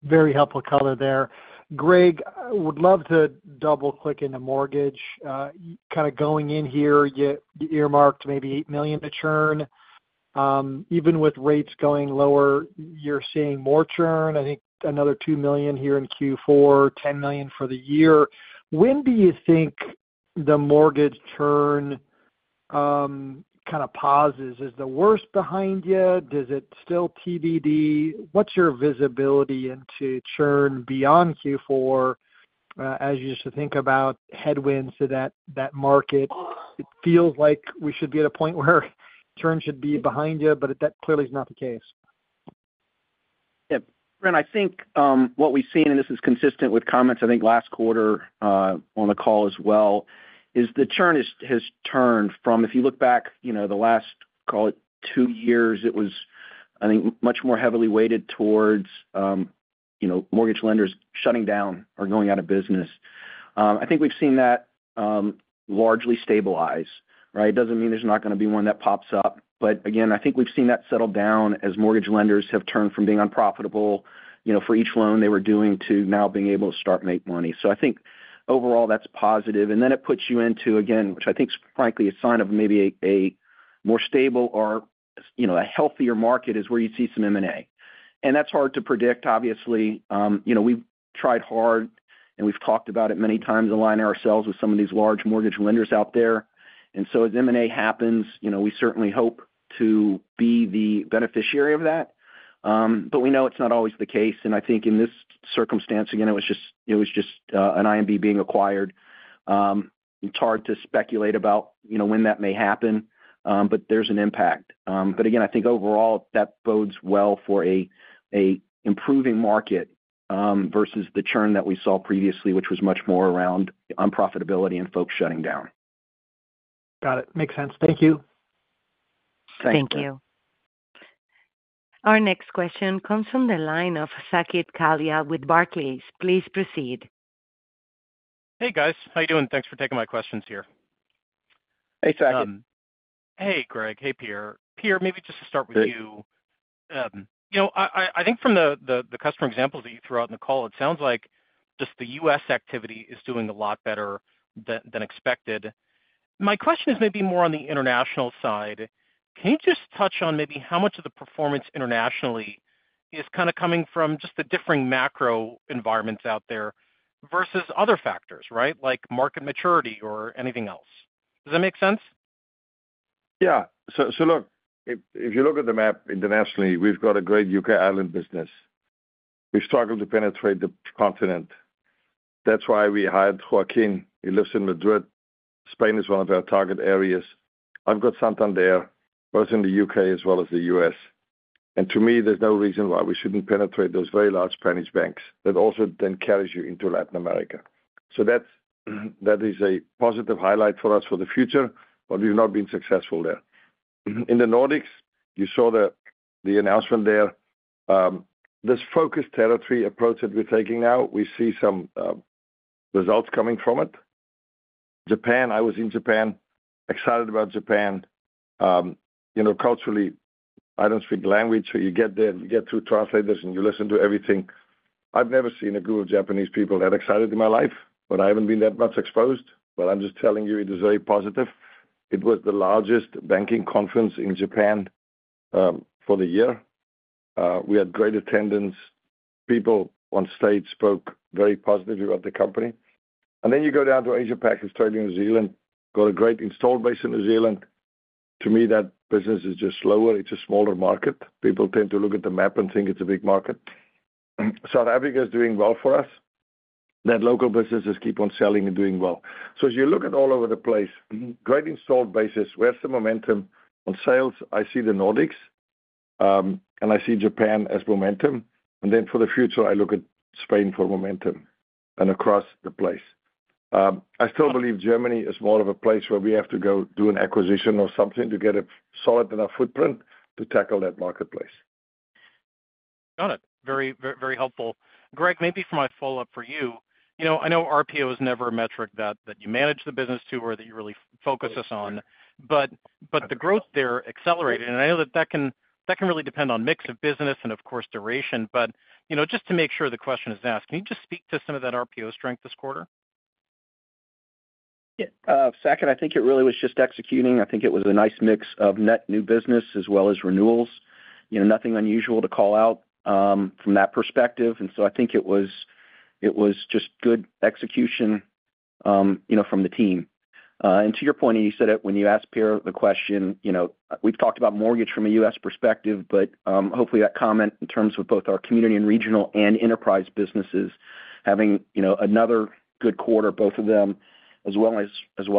Speaker 8: Very helpful color there. Greg, would love to double-click into mortgage. Kind of going in here, you earmarked maybe $8 million to churn. Even with rates going lower, you're seeing more churn. I think another $2 million here in Q4, $10 million for the year. When do you think the mortgage churn kind of pauses? Is the worst behind you? Does it still TBD? What's your visibility into churn beyond Q4? As you just think about headwinds to that market, it feels like we should be at a point where churn should be behind you, but that clearly is not the case.
Speaker 4: Yeah. Brent, I think what we've seen, and this is consistent with comments, I think last quarter on the call as well, is the churn has turned from, if you look back the last, call it, two years, it was, I think, much more heavily weighted towards mortgage lenders shutting down or going out of business. I think we've seen that largely stabilize, right? It doesn't mean there's not going to be one that pops up. But again, I think we've seen that settle down as mortgage lenders have turned from being unprofitable for each loan they were doing to now being able to start make money. So I think overall, that's positive. And then it puts you into, again, which I think is frankly a sign of maybe a more stable or a healthier market is where you see some M&A. And that's hard to predict, obviously. We've tried hard, and we've talked about it many times aligning ourselves with some of these large mortgage lenders out there. And so as M&A happens, we certainly hope to be the beneficiary of that. But we know it's not always the case. And I think in this circumstance, again, it was just an IMB being acquired. It's hard to speculate about when that may happen, but there's an impact. But again, I think overall, that bodes well for an improving market versus the churn that we saw previously, which was much more around unprofitability and folks shutting down.
Speaker 8: Got it. Makes sense. Thank you.
Speaker 1: Thank you. Thank you. Our next question comes from the line of Saket Kalia with Barclays. Please proceed.
Speaker 9: Hey, guys. How are you doing? Thanks for taking my questions here.
Speaker 3: Hey, Saket.
Speaker 9: Hey, Greg. Hey, Pierre. Pierre, maybe just to start with you. I think from the customer examples that you threw out in the call, it sounds like just the U.S. activity is doing a lot better than expected. My question is maybe more on the international side. Can you just touch on maybe how much of the performance internationally is kind of coming from just the differing macro environments out there versus other factors, right, like market maturity or anything else? Does that make sense?
Speaker 3: Yeah. So look, if you look at the map internationally, we've got a great U.K. island business. We struggle to penetrate the continent. That's why we hired Joaquin. He lives in Madrid. Spain is one of our target areas. I've got Santander both in the U.K. as well as the U.S. And to me, there's no reason why we shouldn't penetrate those very large Spanish banks that also then carries you into Latin America. So that is a positive highlight for us for the future, but we've not been successful there. In the Nordics, you saw the announcement there. This focused territory approach that we're taking now, we see some results coming from it. Japan, I was in Japan, excited about Japan. Culturally, I don't speak the language, so you get there, you get through translators, and you listen to everything. I've never seen a group of Japanese people that excited in my life, but I haven't been that much exposed. But I'm just telling you, it is very positive. It was the largest banking conference in Japan for the year. We had great attendance. People on stage spoke very positively about the company. And then you go down to Asia-Pac, Australia, New Zealand, got a great installed base in New Zealand. To me, that business is just slower. It's a smaller market. People tend to look at the map and think it's a big market. South Africa is doing well for us. That local businesses keep on selling and doing well. So as you look at all over the place, great installed base, we have some momentum on sales. I see the Nordics, and I see Japan as momentum. And then for the future, I look at Spain for momentum and across the place. I still believe Germany is more of a place where we have to go do an acquisition or something to get a solid enough footprint to tackle that marketplace.
Speaker 9: Got it. Very helpful. Greg, maybe for my follow-up for you, I know RPO is never a metric that you manage the business to or that you really focus on. But the growth there accelerated. And I know that that can really depend on mix of business and, of course, duration. But just to make sure the question is asked, can you just speak to some of that RPO strength this quarter?
Speaker 4: Yeah. Saket, I think it really was just executing. I think it was a nice mix of net new business as well as renewals. Nothing unusual to call out from that perspective, and so I think it was just good execution from the team, and to your point, you said it when you asked Pierre the question. We've talked about mortgage from a U.S. perspective, but hopefully that comment in terms of both our community and regional and enterprise businesses having another good quarter, both of them, as well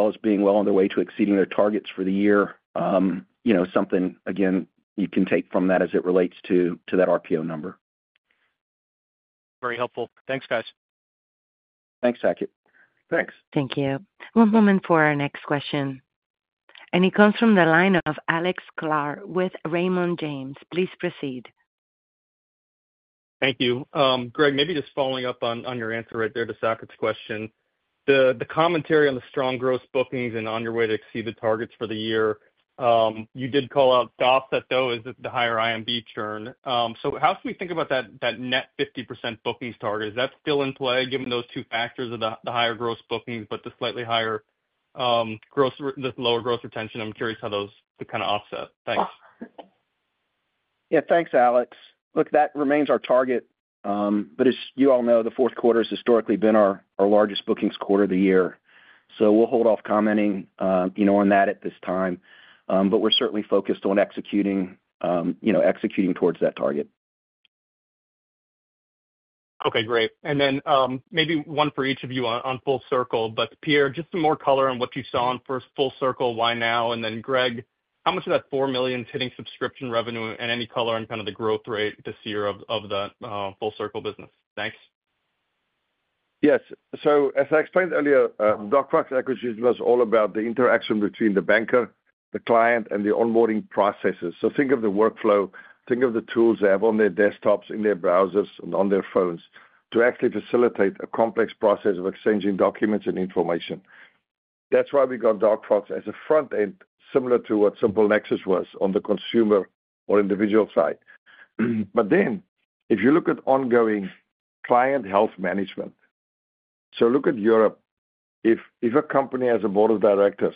Speaker 4: as being well on their way to exceeding their targets for the year, something, again, you can take from that as it relates to that RPO number.
Speaker 9: Very helpful. Thanks, guys.
Speaker 4: Thanks, Saket.
Speaker 3: Thanks.
Speaker 1: Thank you. One moment for our next question. And it comes from the line of Alex Sklar with Raymond James. Please proceed.
Speaker 10: Thank you. Greg, maybe just following up on your answer right there to Saket's question. The commentary on the strong gross bookings and on your way to exceed the targets for the year. You did call out DOFS at those at the higher IMB churn. So how should we think about that net 50% bookings target? Is that still in play given those two factors of the higher gross bookings, but the slightly higher churn, the lower gross retention? I'm curious how those could kind of offset. Thanks.
Speaker 4: Yeah. Thanks, Alex. Look, that remains our target, but as you all know, the fourth quarter has historically been our largest bookings quarter of the year. So we'll hold off commenting on that at this time. But we're certainly focused on executing towards that target.
Speaker 10: Okay. Great. And then maybe one for each of you on FullCircl, but Pierre, just some more color on what you saw on FullCircl, why now? And then Greg, how much of that four million hitting subscription revenue and any color on kind of the growth rate this year of the FullCircl business? Thanks.
Speaker 3: Yes, so as I explained earlier, DocFox acquisition was all about the interaction between the banker, the client, and the onboarding processes. So think of the workflow, think of the tools they have on their desktops, in their browsers, and on their phones to actually facilitate a complex process of exchanging documents and information. That's why we got DocFox as a front-end, similar to what SimpleNexus was on the consumer or individual side, but then if you look at ongoing client health management, so look at Europe. If a company has a board of directors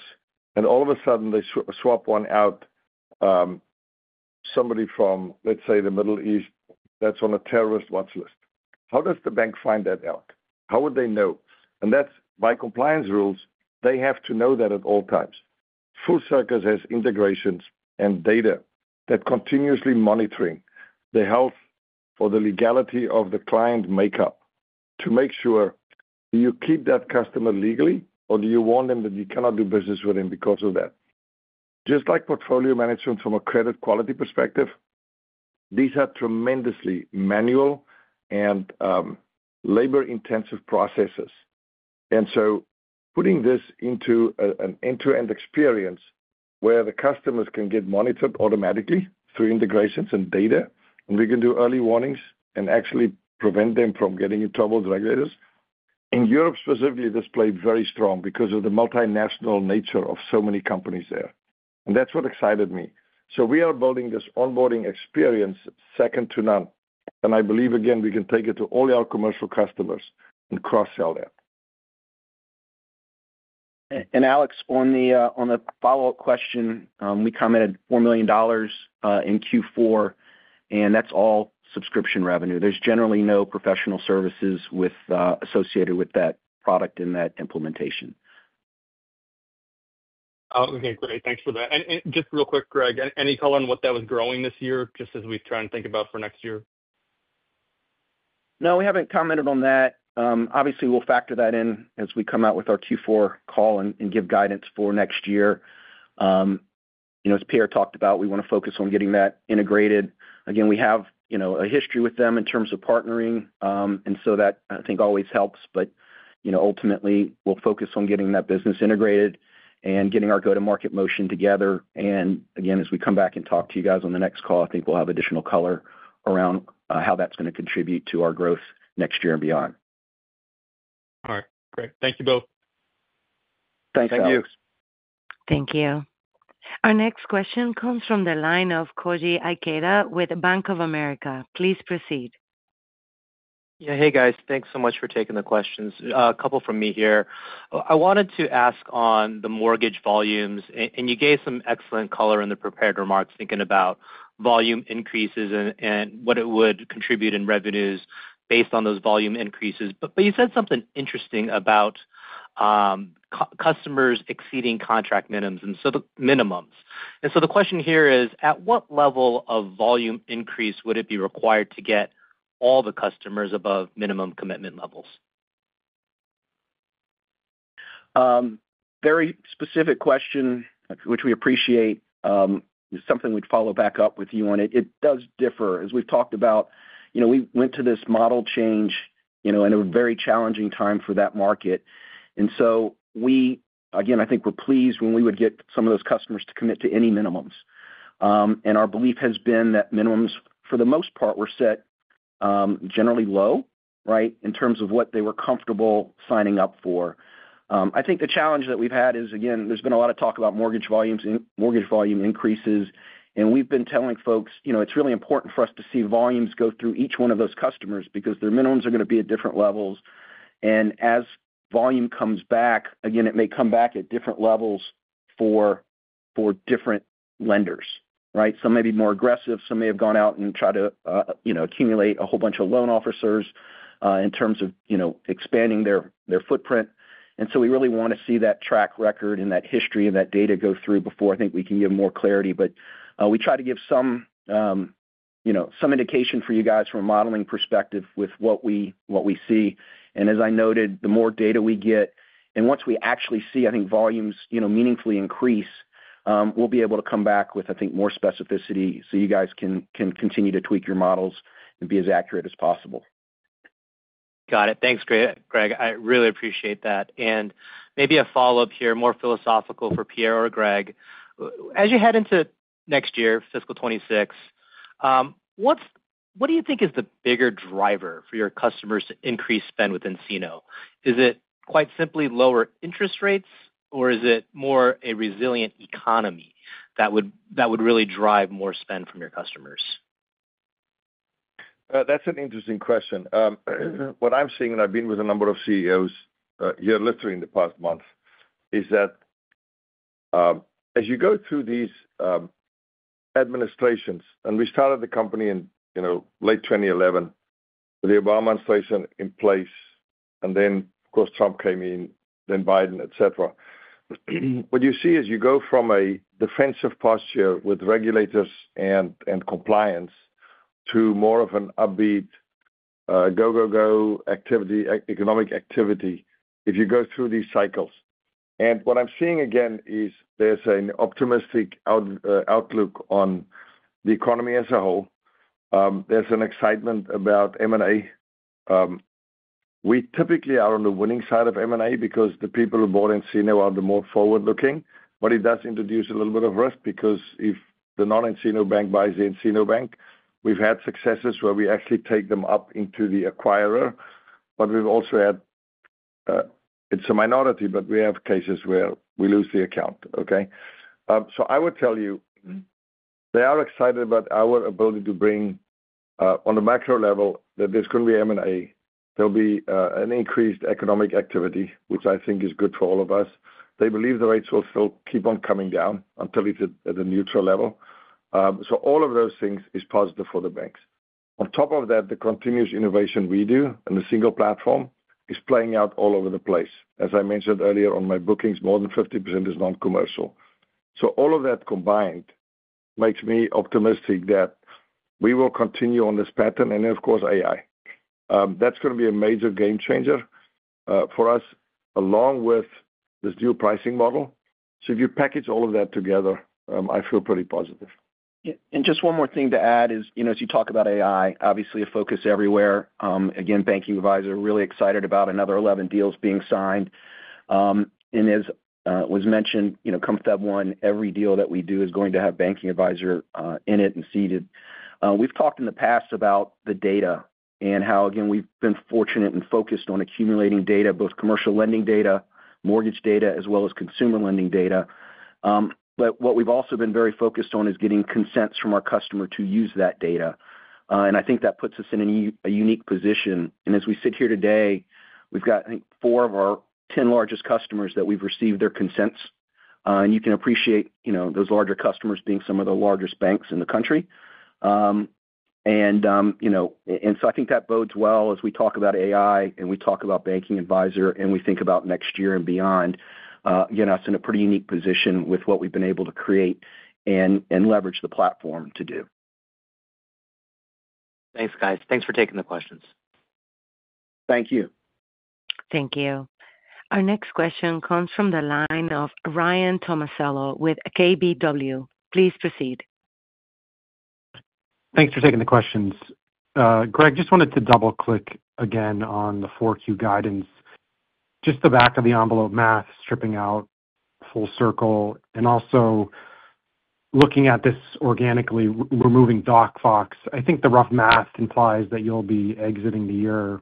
Speaker 3: and all of a sudden they swap one out, somebody from, let's say, the Middle East, that's on a terrorist watch list, how does the bank find that out? How would they know, and that's by compliance rules. They have to know that at all times. FullCircl has integrations and data that continuously monitor the health or the legality of the client makeup to make sure do you keep that customer legally or do you warn them that you cannot do business with them because of that? Just like portfolio management from a credit quality perspective, these are tremendously manual and labor-intensive processes, and so putting this into an end-to-end experience where the customers can get monitored automatically through integrations and data, and we can do early warnings and actually prevent them from getting in trouble with regulators. In Europe specifically, this played very strong because of the multinational nature of so many companies there, and that's what excited me, so we are building this onboarding experience second to none, and I believe, again, we can take it to all our commercial customers and cross-sell that.
Speaker 4: Alex, on the follow-up question, we commented $4 million in Q4, and that's all subscription revenue. There's generally no professional services associated with that product and that implementation.
Speaker 10: Okay. Great. Thanks for that. And just real quick, Greg, any color on what that was growing this year just as we've tried to think about for next year?
Speaker 4: No, we haven't commented on that. Obviously, we'll factor that in as we come out with our Q4 call and give guidance for next year. As Pierre talked about, we want to focus on getting that integrated. Again, we have a history with them in terms of partnering, and so that, I think, always helps. But ultimately, we'll focus on getting that business integrated and getting our go-to-market motion together. And again, as we come back and talk to you guys on the next call, I think we'll have additional color around how that's going to contribute to our growth next year and beyond.
Speaker 10: All right. Great. Thank you both.
Speaker 4: Thanks, Alex.
Speaker 3: Thank you.
Speaker 1: Thank you. Our next question comes from the line of Koji Ikeda with Bank of America. Please proceed.
Speaker 11: Yeah. Hey, guys. Thanks so much for taking the questions. A couple from me here. I wanted to ask on the mortgage volumes, and you gave some excellent color in the prepared remarks thinking about volume increases and what it would contribute in revenues based on those volume increases. But you said something interesting about customers exceeding contract minimums. And so the question here is, at what level of volume increase would it be required to get all the customers above minimum commitment levels?
Speaker 4: Very specific question, which we appreciate. It's something we'd follow back up with you on. It does differ. As we've talked about, we went to this model change in a very challenging time for that market, and so we, again, I think we're pleased when we would get some of those customers to commit to any minimums, and our belief has been that minimums, for the most part, were set generally low, right, in terms of what they were comfortable signing up for. I think the challenge that we've had is, again, there's been a lot of talk about mortgage volumes and mortgage volume increases, and we've been telling folks it's really important for us to see volumes go through each one of those customers because their minimums are going to be at different levels. And as volume comes back, again, it may come back at different levels for different lenders, right? Some may be more aggressive. Some may have gone out and tried to accumulate a whole bunch of loan officers in terms of expanding their footprint. And so we really want to see that track record and that history and that data go through before I think we can give more clarity. But we try to give some indication for you guys from a modeling perspective with what we see. And as I noted, the more data we get, and once we actually see, I think, volumes meaningfully increase, we'll be able to come back with, I think, more specificity so you guys can continue to tweak your models and be as accurate as possible.
Speaker 11: Got it. Thanks, Greg. I really appreciate that. And maybe a follow-up here, more philosophical for Pierre or Greg. As you head into next year, fiscal 2026, what do you think is the bigger driver for your customers to increase spend within nCino? Is it quite simply lower interest rates, or is it more a resilient economy that would really drive more spend from your customers?
Speaker 3: That's an interesting question. What I'm seeing, and I've been with a number of CEOs here literally in the past month, is that as you go through these administrations and we started the company in late 2011 with the Obama administration in place, and then, of course, Trump came in, then Biden, etc., what you see is you go from a defensive posture with regulators and compliance to more of an upbeat go, go, go economic activity if you go through these cycles. What I'm seeing, again, is there's an optimistic outlook on the economy as a whole. There's an excitement about M&A. We typically are on the winning side of M&A because the people who bought nCino are the more forward-looking. But it does introduce a little bit of risk because if the non-nCino bank buys an nCino bank, we've had successes where we actually take them up into the acquirer. But we've also had, it's a minority, but we have cases where we lose the account, okay? So I would tell you they are excited about our ability to bring on a macro level that there's going to be M&A. There'll be an increased economic activity, which I think is good for all of us. They believe the rates will still keep on coming down until it's at a neutral level. So all of those things are positive for the banks. On top of that, the continuous innovation we do and the single platform is playing out all over the place. As I mentioned earlier on my bookings, more than 50% is non-commercial. So all of that combined makes me optimistic that we will continue on this pattern. And then, of course, AI. That's going to be a major game changer for us along with this new pricing model. So if you package all of that together, I feel pretty positive.
Speaker 4: And just one more thing to add: as you talk about AI, obviously a focus everywhere. Again, Banking Advisor, really excited about another 11 deals being signed. And as was mentioned, nCino One, every deal that we do is going to have Banking Advisor in it and C-suite. We've talked in the past about the data and how, again, we've been fortunate and focused on accumulating data, both commercial lending data, mortgage data, as well as consumer lending data. But what we've also been very focused on is getting consents from our customer to use that data. And I think that puts us in a unique position. And as we sit here today, we've got, I think, four of our 10 largest customers that we've received their consents. And you can appreciate those larger customers being some of the largest banks in the country. And so I think that bodes well as we talk about AI and we talk about Banking Advisor and we think about next year and beyond, getting us in a pretty unique position with what we've been able to create and leverage the platform to do.
Speaker 11: Thanks, guys. Thanks for taking the questions.
Speaker 4: Thank you.
Speaker 1: Thank you. Our next question comes from the line of Ryan Tomasello with KBW. Please proceed.
Speaker 12: Thanks for taking the questions. Greg, just wanted to double-click again on the Q4 guidance. Just the back-of-the-envelope math, stripping out FullCircl and also looking at this organically removing DocFox, I think the rough math implies that you'll be exiting the year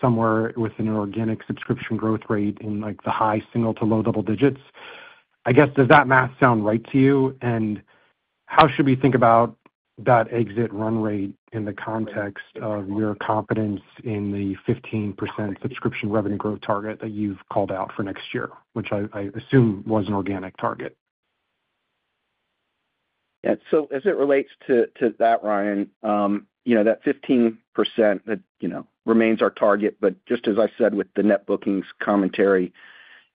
Speaker 12: somewhere with an organic subscription growth rate in the high single to low double digits. I guess, does that math sound right to you? And how should we think about that exit run rate in the context of your confidence in the 15% subscription revenue growth target that you've called out for next year, which I assume was an organic target?
Speaker 4: Yeah. So as it relates to that, Ryan, that 15% remains our target. But just as I said with the net bookings commentary,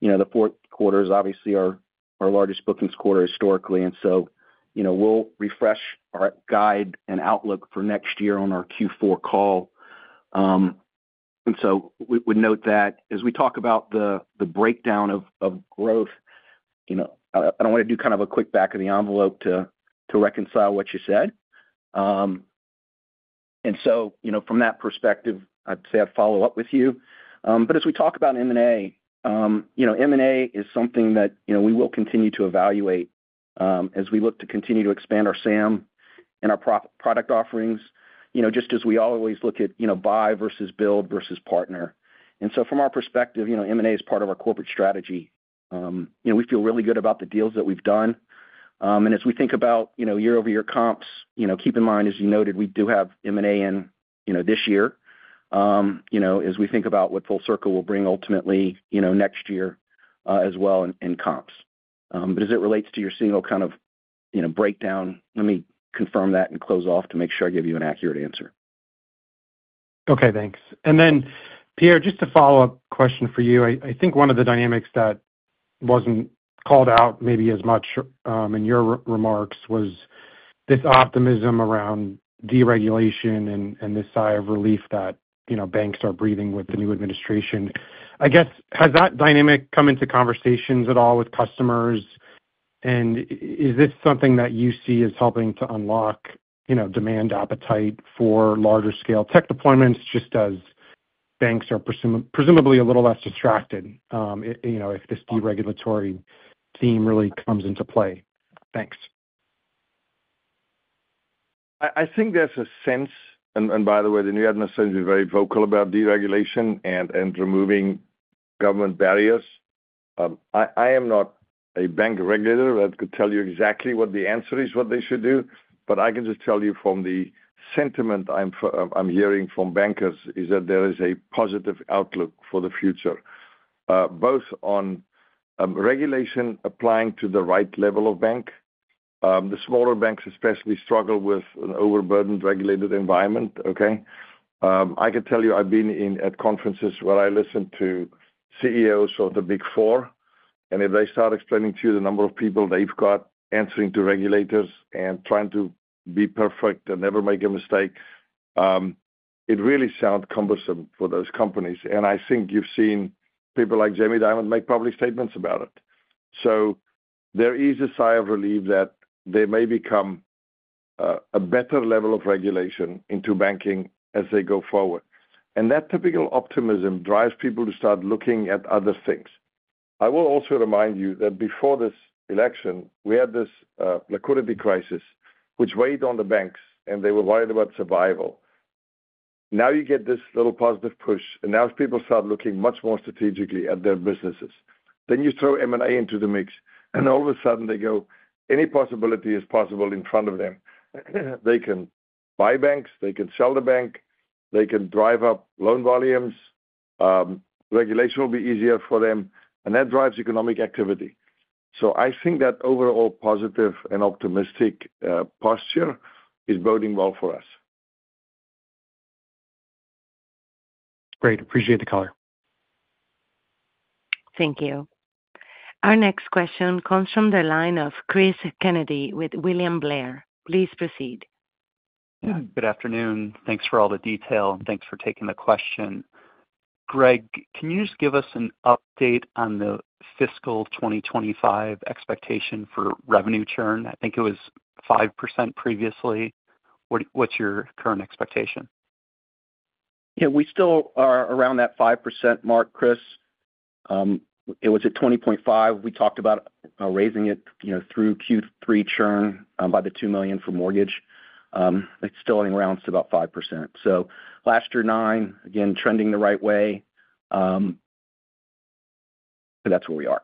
Speaker 4: the fourth quarter is obviously our largest bookings quarter historically. And so we'll refresh our guide and outlook for next year on our Q4 call. And so we would note that as we talk about the breakdown of growth, I don't want to do kind of a quick back of the envelope to reconcile what you said. And so from that perspective, I'd say I'd follow up with you. But as we talk about M&A, M&A is something that we will continue to evaluate as we look to continue to expand our SAM and our product offerings just as we always look at buy versus build versus partner. And so from our perspective, M&A is part of our corporate strategy. We feel really good about the deals that we've done. And as we think about year-over-year comps, keep in mind, as you noted, we do have M&A in this year as we think about what FullCircl will bring ultimately next year as well in comps. But as it relates to your single kind of breakdown, let me confirm that and close off to make sure I give you an accurate answer.
Speaker 11: Okay. Thanks. And then, Pierre, just a follow-up question for you. I think one of the dynamics that wasn't called out maybe as much in your remarks was this optimism around deregulation and this sigh of relief that banks are breathing with the new administration. I guess, has that dynamic come into conversations at all with customers? And is this something that you see as helping to unlock demand appetite for larger-scale tech deployments just as banks are presumably a little less distracted if this deregulatory theme really comes into play? Thanks.
Speaker 3: I think there's a sense, and by the way, the new administration has been very vocal about deregulation and removing government barriers. I am not a bank regulator that could tell you exactly what the answer is, what they should do. But I can just tell you from the sentiment I'm hearing from bankers is that there is a positive outlook for the future, both on regulation applying to the right level of bank. The smaller banks especially struggle with an overburdened regulated environment, okay? I can tell you I've been at conferences where I listened to CEOs of the Big Four. And if they start explaining to you the number of people they've got answering to regulators and trying to be perfect and never make a mistake, it really sounds cumbersome for those companies. And I think you've seen people like Jamie Dimon make public statements about it. So there is a sigh of relief that there may become a better level of regulation into banking as they go forward. And that typical optimism drives people to start looking at other things. I will also remind you that before this election, we had this liquidity crisis, which weighed on the banks, and they were worried about survival. Now you get this little positive push, and now people start looking much more strategically at their businesses. Then you throw M&A into the mix, and all of a sudden, they go, "Any possibility is possible in front of them." They can buy banks. They can sell the bank. They can drive up loan volumes. Regulation will be easier for them. And that drives economic activity. So I think that overall positive and optimistic posture is boding well for us.
Speaker 11: Great. Appreciate the color.
Speaker 1: Thank you. Our next question comes from the line of Chris Kennedy with William Blair. Please proceed.
Speaker 13: Good afternoon. Thanks for all the detail. Thanks for taking the question. Greg, can you just give us an update on the fiscal 2025 expectation for revenue churn? I think it was 5% previously. What's your current expectation?
Speaker 4: Yeah. We still are around that 5% mark, Chris. It was at 20.5%. We talked about raising it through Q3 churn by the $2 million for mortgage. It's still in around about 5%. So last year, 9%, again, trending the right way. But that's where we are.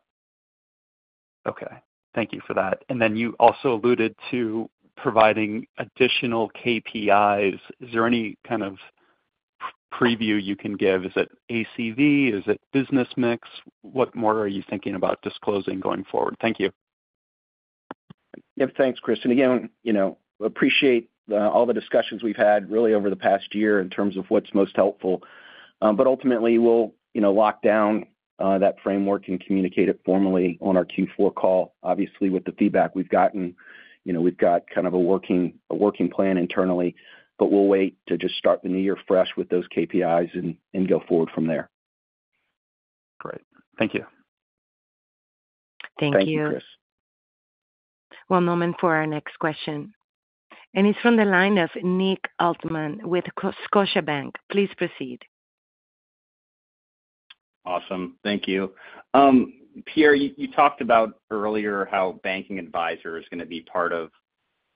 Speaker 13: Okay. Thank you for that. And then you also alluded to providing additional KPIs. Is there any kind of preview you can give? Is it ACV? Is it business mix? What more are you thinking about disclosing going forward? Thank you.
Speaker 4: Yep. Thanks, Chris. And again, appreciate all the discussions we've had really over the past year in terms of what's most helpful. But ultimately, we'll lock down that framework and communicate it formally on our Q4 call, obviously, with the feedback we've gotten. We've got kind of a working plan internally, but we'll wait to just start the new year fresh with those KPIs and go forward from there.
Speaker 13: Great. Thank you.
Speaker 1: Thank you.
Speaker 4: Thank you, Chris.
Speaker 1: One moment for our next question. And it's from the line of Nick Altman with Scotiabank. Please proceed.
Speaker 14: Awesome. Thank you. Pierre, you talked about earlier how Banking Advisor is going to be part of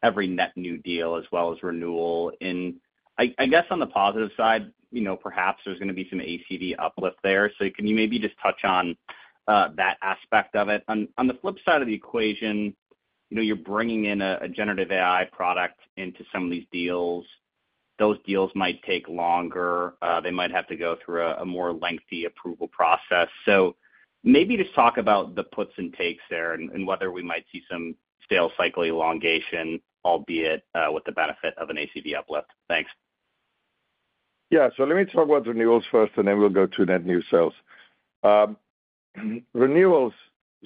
Speaker 14: every net new deal as well as renewal. And I guess on the positive side, perhaps there's going to be some ACV uplift there. So can you maybe just touch on that aspect of it? On the flip side of the equation, you're bringing in a generative AI product into some of these deals. Those deals might take longer. They might have to go through a more lengthy approval process. So maybe just talk about the puts and takes there and whether we might see some sales cycle elongation, albeit with the benefit of an ACV uplift. Thanks.
Speaker 3: Yeah. So let me talk about renewals first, and then we'll go to net new sales. Renewals,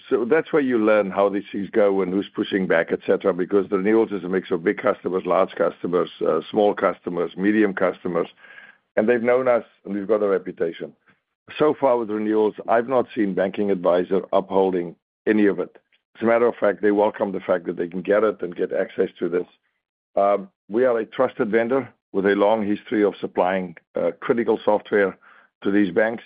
Speaker 3: so that's where you learn how these things go and who's pushing back, etc., because the renewals is a mix of big customers, large customers, small customers, medium customers. And they've known us, and we've got a reputation. So far with renewals, I've not seen Banking Advisor upholding any of it. As a matter of fact, they welcome the fact that they can get it and get access to this. We are a trusted vendor with a long history of supplying critical software to these banks.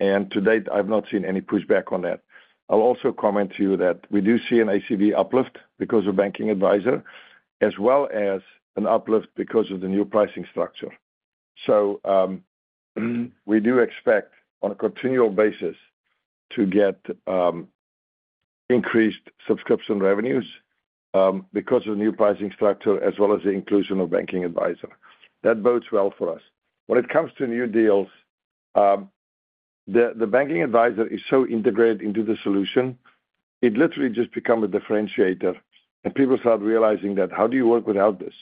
Speaker 3: And to date, I've not seen any pushback on that. I'll also comment to you that we do see an ACV uplift because of Banking Advisor, as well as an uplift because of the new pricing structure. So we do expect on a continual basis to get increased subscription revenues because of the new pricing structure as well as the inclusion of Banking Advisor. That bodes well for us. When it comes to new deals, the Banking Advisor is so integrated into the solution, it literally just becomes a differentiator. And people start realizing that, "How do you work without this?"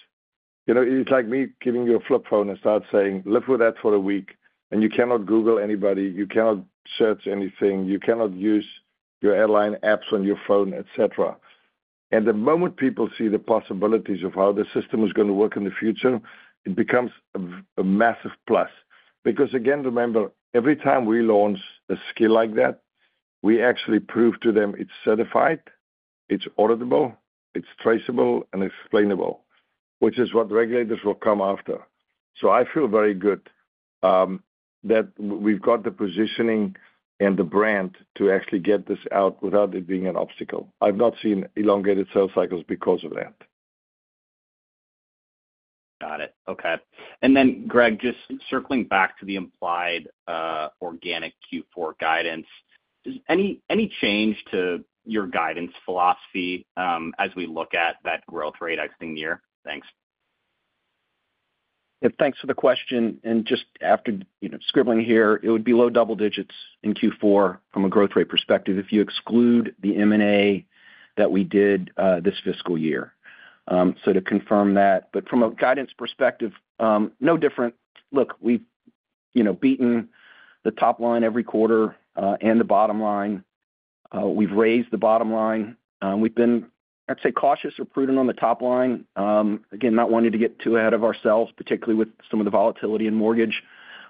Speaker 3: It's like me giving you a flip phone and start saying, "Live with that for a week, and you cannot Google anybody. You cannot search anything. You cannot use your airline apps on your phone," etc. And the moment people see the possibilities of how the system is going to work in the future, it becomes a massive plus. Because again, remember, every time we launch a skill like that, we actually prove to them it's certified, it's auditable, it's traceable, and explainable, which is what regulators will come after. So I feel very good that we've got the positioning and the brand to actually get this out without it being an obstacle. I've not seen elongated sales cycles because of that.
Speaker 14: Got it. Okay. And then, Greg, just circling back to the implied organic Q4 guidance, any change to your guidance philosophy as we look at that growth rate exiting year? Thanks.
Speaker 4: Yep. Thanks for the question. And just after scribbling here, it would be low double digits in Q4 from a growth rate perspective if you exclude the M&A that we did this fiscal year. So to confirm that. But from a guidance perspective, no different. Look, we've beaten the top line every quarter and the bottom line. We've raised the bottom line. We've been, I'd say, cautious or prudent on the top line. Again, not wanting to get too ahead of ourselves, particularly with some of the volatility in mortgage.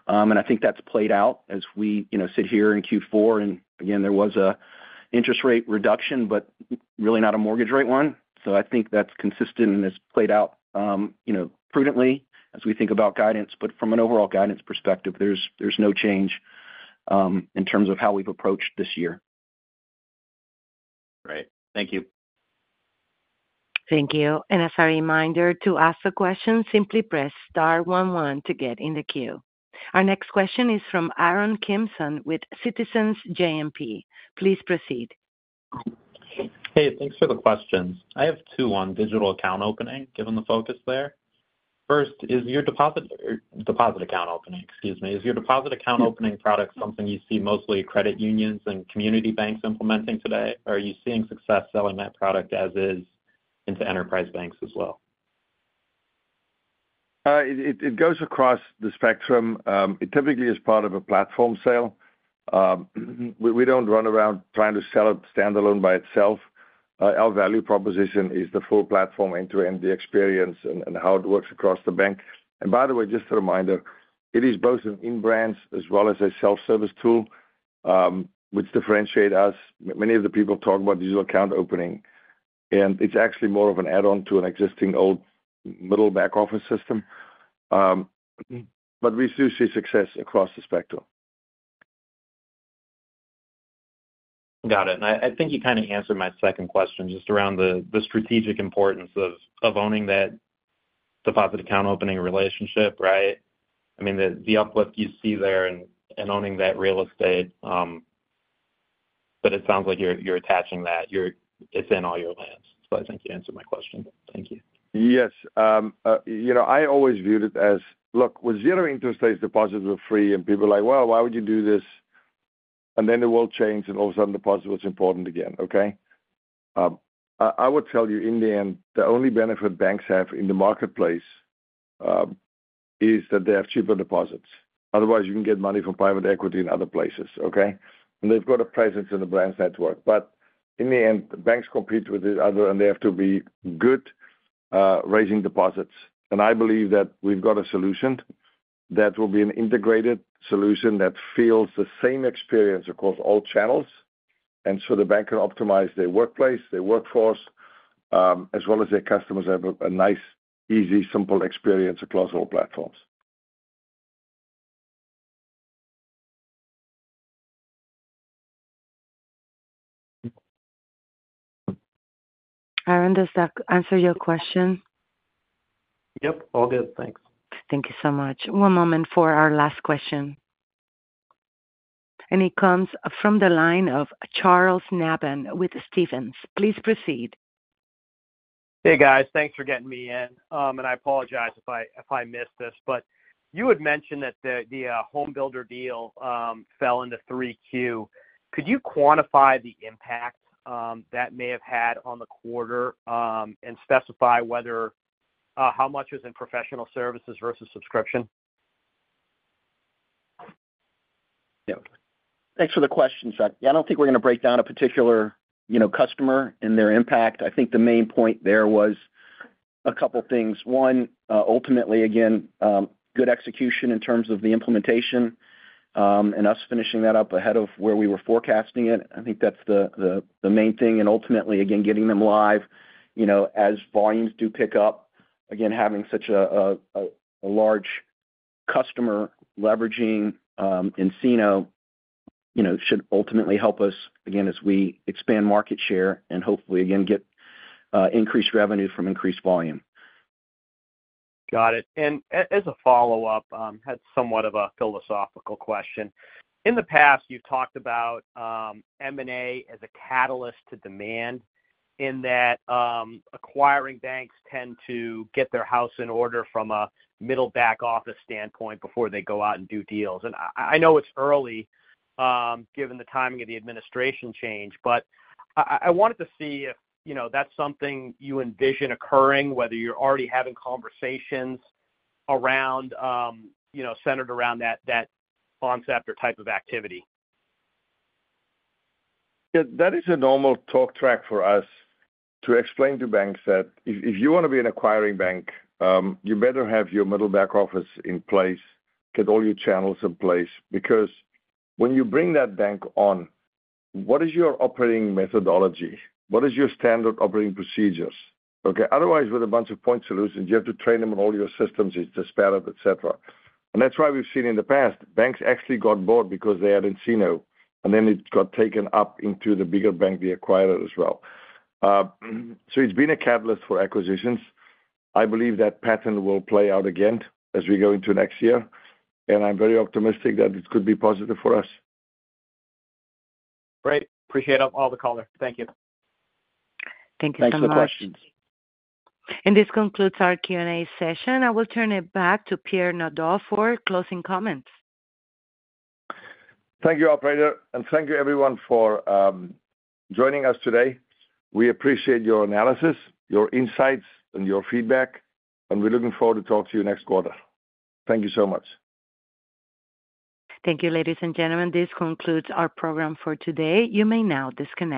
Speaker 4: And I think that's played out as we sit here in Q4. And again, there was an interest rate reduction, but really not a mortgage rate one. So I think that's consistent and has played out prudently as we think about guidance. But from an overall guidance perspective, there's no change in terms of how we've approached this year.
Speaker 14: Great. Thank you.
Speaker 1: Thank you. And as a reminder to ask the question, simply press star 11 to get in the queue. Our next question is from Aaron Kimpson with Citizens JMP. Please proceed.
Speaker 15: Hey, thanks for the questions. I have two on digital account opening, given the focus there. First, is your deposit account opening, excuse me, is your deposit account opening product something you see mostly credit unions and community banks implementing today? Or are you seeing success selling that product as is into enterprise banks as well?
Speaker 3: It goes across the spectrum. It typically is part of a platform sale. We don't run around trying to sell it standalone by itself. Our value proposition is the full platform end-to-end experience and how it works across the bank. And by the way, just a reminder, it is both an in-branch as well as a self-service tool, which differentiates us. Many of the people talk about digital account opening, and it's actually more of an add-on to an existing old middle back-office system. But we do see success across the spectrum.
Speaker 15: Got it. And I think you kind of answered my second question just around the strategic importance of owning that deposit account opening relationship, right? I mean, the uplift you see there and owning that real estate, but it sounds like you're attaching that. It's in all your lending. So I think you answered my question. Thank you.
Speaker 3: Yes. I always viewed it as, "Look, with zero interest, those deposits are free." And people are like, "Well, why would you do this?" And then the world changed, and all of a sudden, deposit was important again, okay? I would tell you, in the end, the only benefit banks have in the marketplace is that they have cheaper deposits. Otherwise, you can get money from private equity in other places, okay? And they've got a presence in the brand's network. But in the end, banks compete with each other, and they have to be good raising deposits. And I believe that we've got a solution that will be an integrated solution that feels the same experience across all channels. And so the bank can optimize their workplace, their workforce, as well as their customers have a nice, easy, simple experience across all platforms.
Speaker 1: Aaron, does that answer your question?
Speaker 15: Yep. All good. Thanks.
Speaker 1: Thank you so much. One moment for our last question. And it comes from the line of Charles Nabhan with Stephens. Please proceed.
Speaker 16: Hey, guys. Thanks for getting me in, and I apologize if I missed this, but you had mentioned that the homebuilder deal fell into 3Q. Could you quantify the impact that may have had on the quarter and specify how much was in professional services versus subscription?
Speaker 4: Yeah. Thanks for the question, Chuck. Yeah, I don't think we're going to break down a particular customer and their impact. I think the main point there was a couple of things. One, ultimately, again, good execution in terms of the implementation and us finishing that up ahead of where we were forecasting it. I think that's the main thing. And ultimately, again, getting them live as volumes do pick up. Again, having such a large customer leveraging nCino should ultimately help us, again, as we expand market share and hopefully, again, get increased revenue from increased volume.
Speaker 16: Got it. And as a follow-up, I had somewhat of a philosophical question. In the past, you've talked about M&A as a catalyst to demand in that acquiring banks tend to get their house in order from a middle back-office standpoint before they go out and do deals. And I know it's early given the timing of the administration change, but I wanted to see if that's something you envision occurring, whether you're already having conversations centered around that concept or type of activity.
Speaker 3: Yeah. That is a normal talk track for us to explain to banks that if you want to be an acquiring bank, you better have your middle back-office in place, get all your channels in place. Because when you bring that bank on, what is your operating methodology? What is your standard operating procedures? Okay? Otherwise, with a bunch of point solutions, you have to train them on all your systems. It's disparate, etc. And that's why we've seen in the past, banks actually got bored because they hadn't seen it. And then it got taken up into the bigger bank they acquired as well. So it's been a catalyst for acquisitions. I believe that pattern will play out again as we go into next year. And I'm very optimistic that it could be positive for us.
Speaker 16: Great. Appreciate all the colors. Thank you.
Speaker 1: Thank you so much.
Speaker 4: Thanks for the questions.
Speaker 1: This concludes our Q&A session. I will turn it back to Pierre Naudé for closing comments.
Speaker 3: Thank you, Operator. Thank you, everyone, for joining us today. We appreciate your analysis, your insights, and your feedback. We're looking forward to talking to you next quarter. Thank you so much.
Speaker 1: Thank you, ladies and gentlemen. This concludes our program for today. You may now disconnect.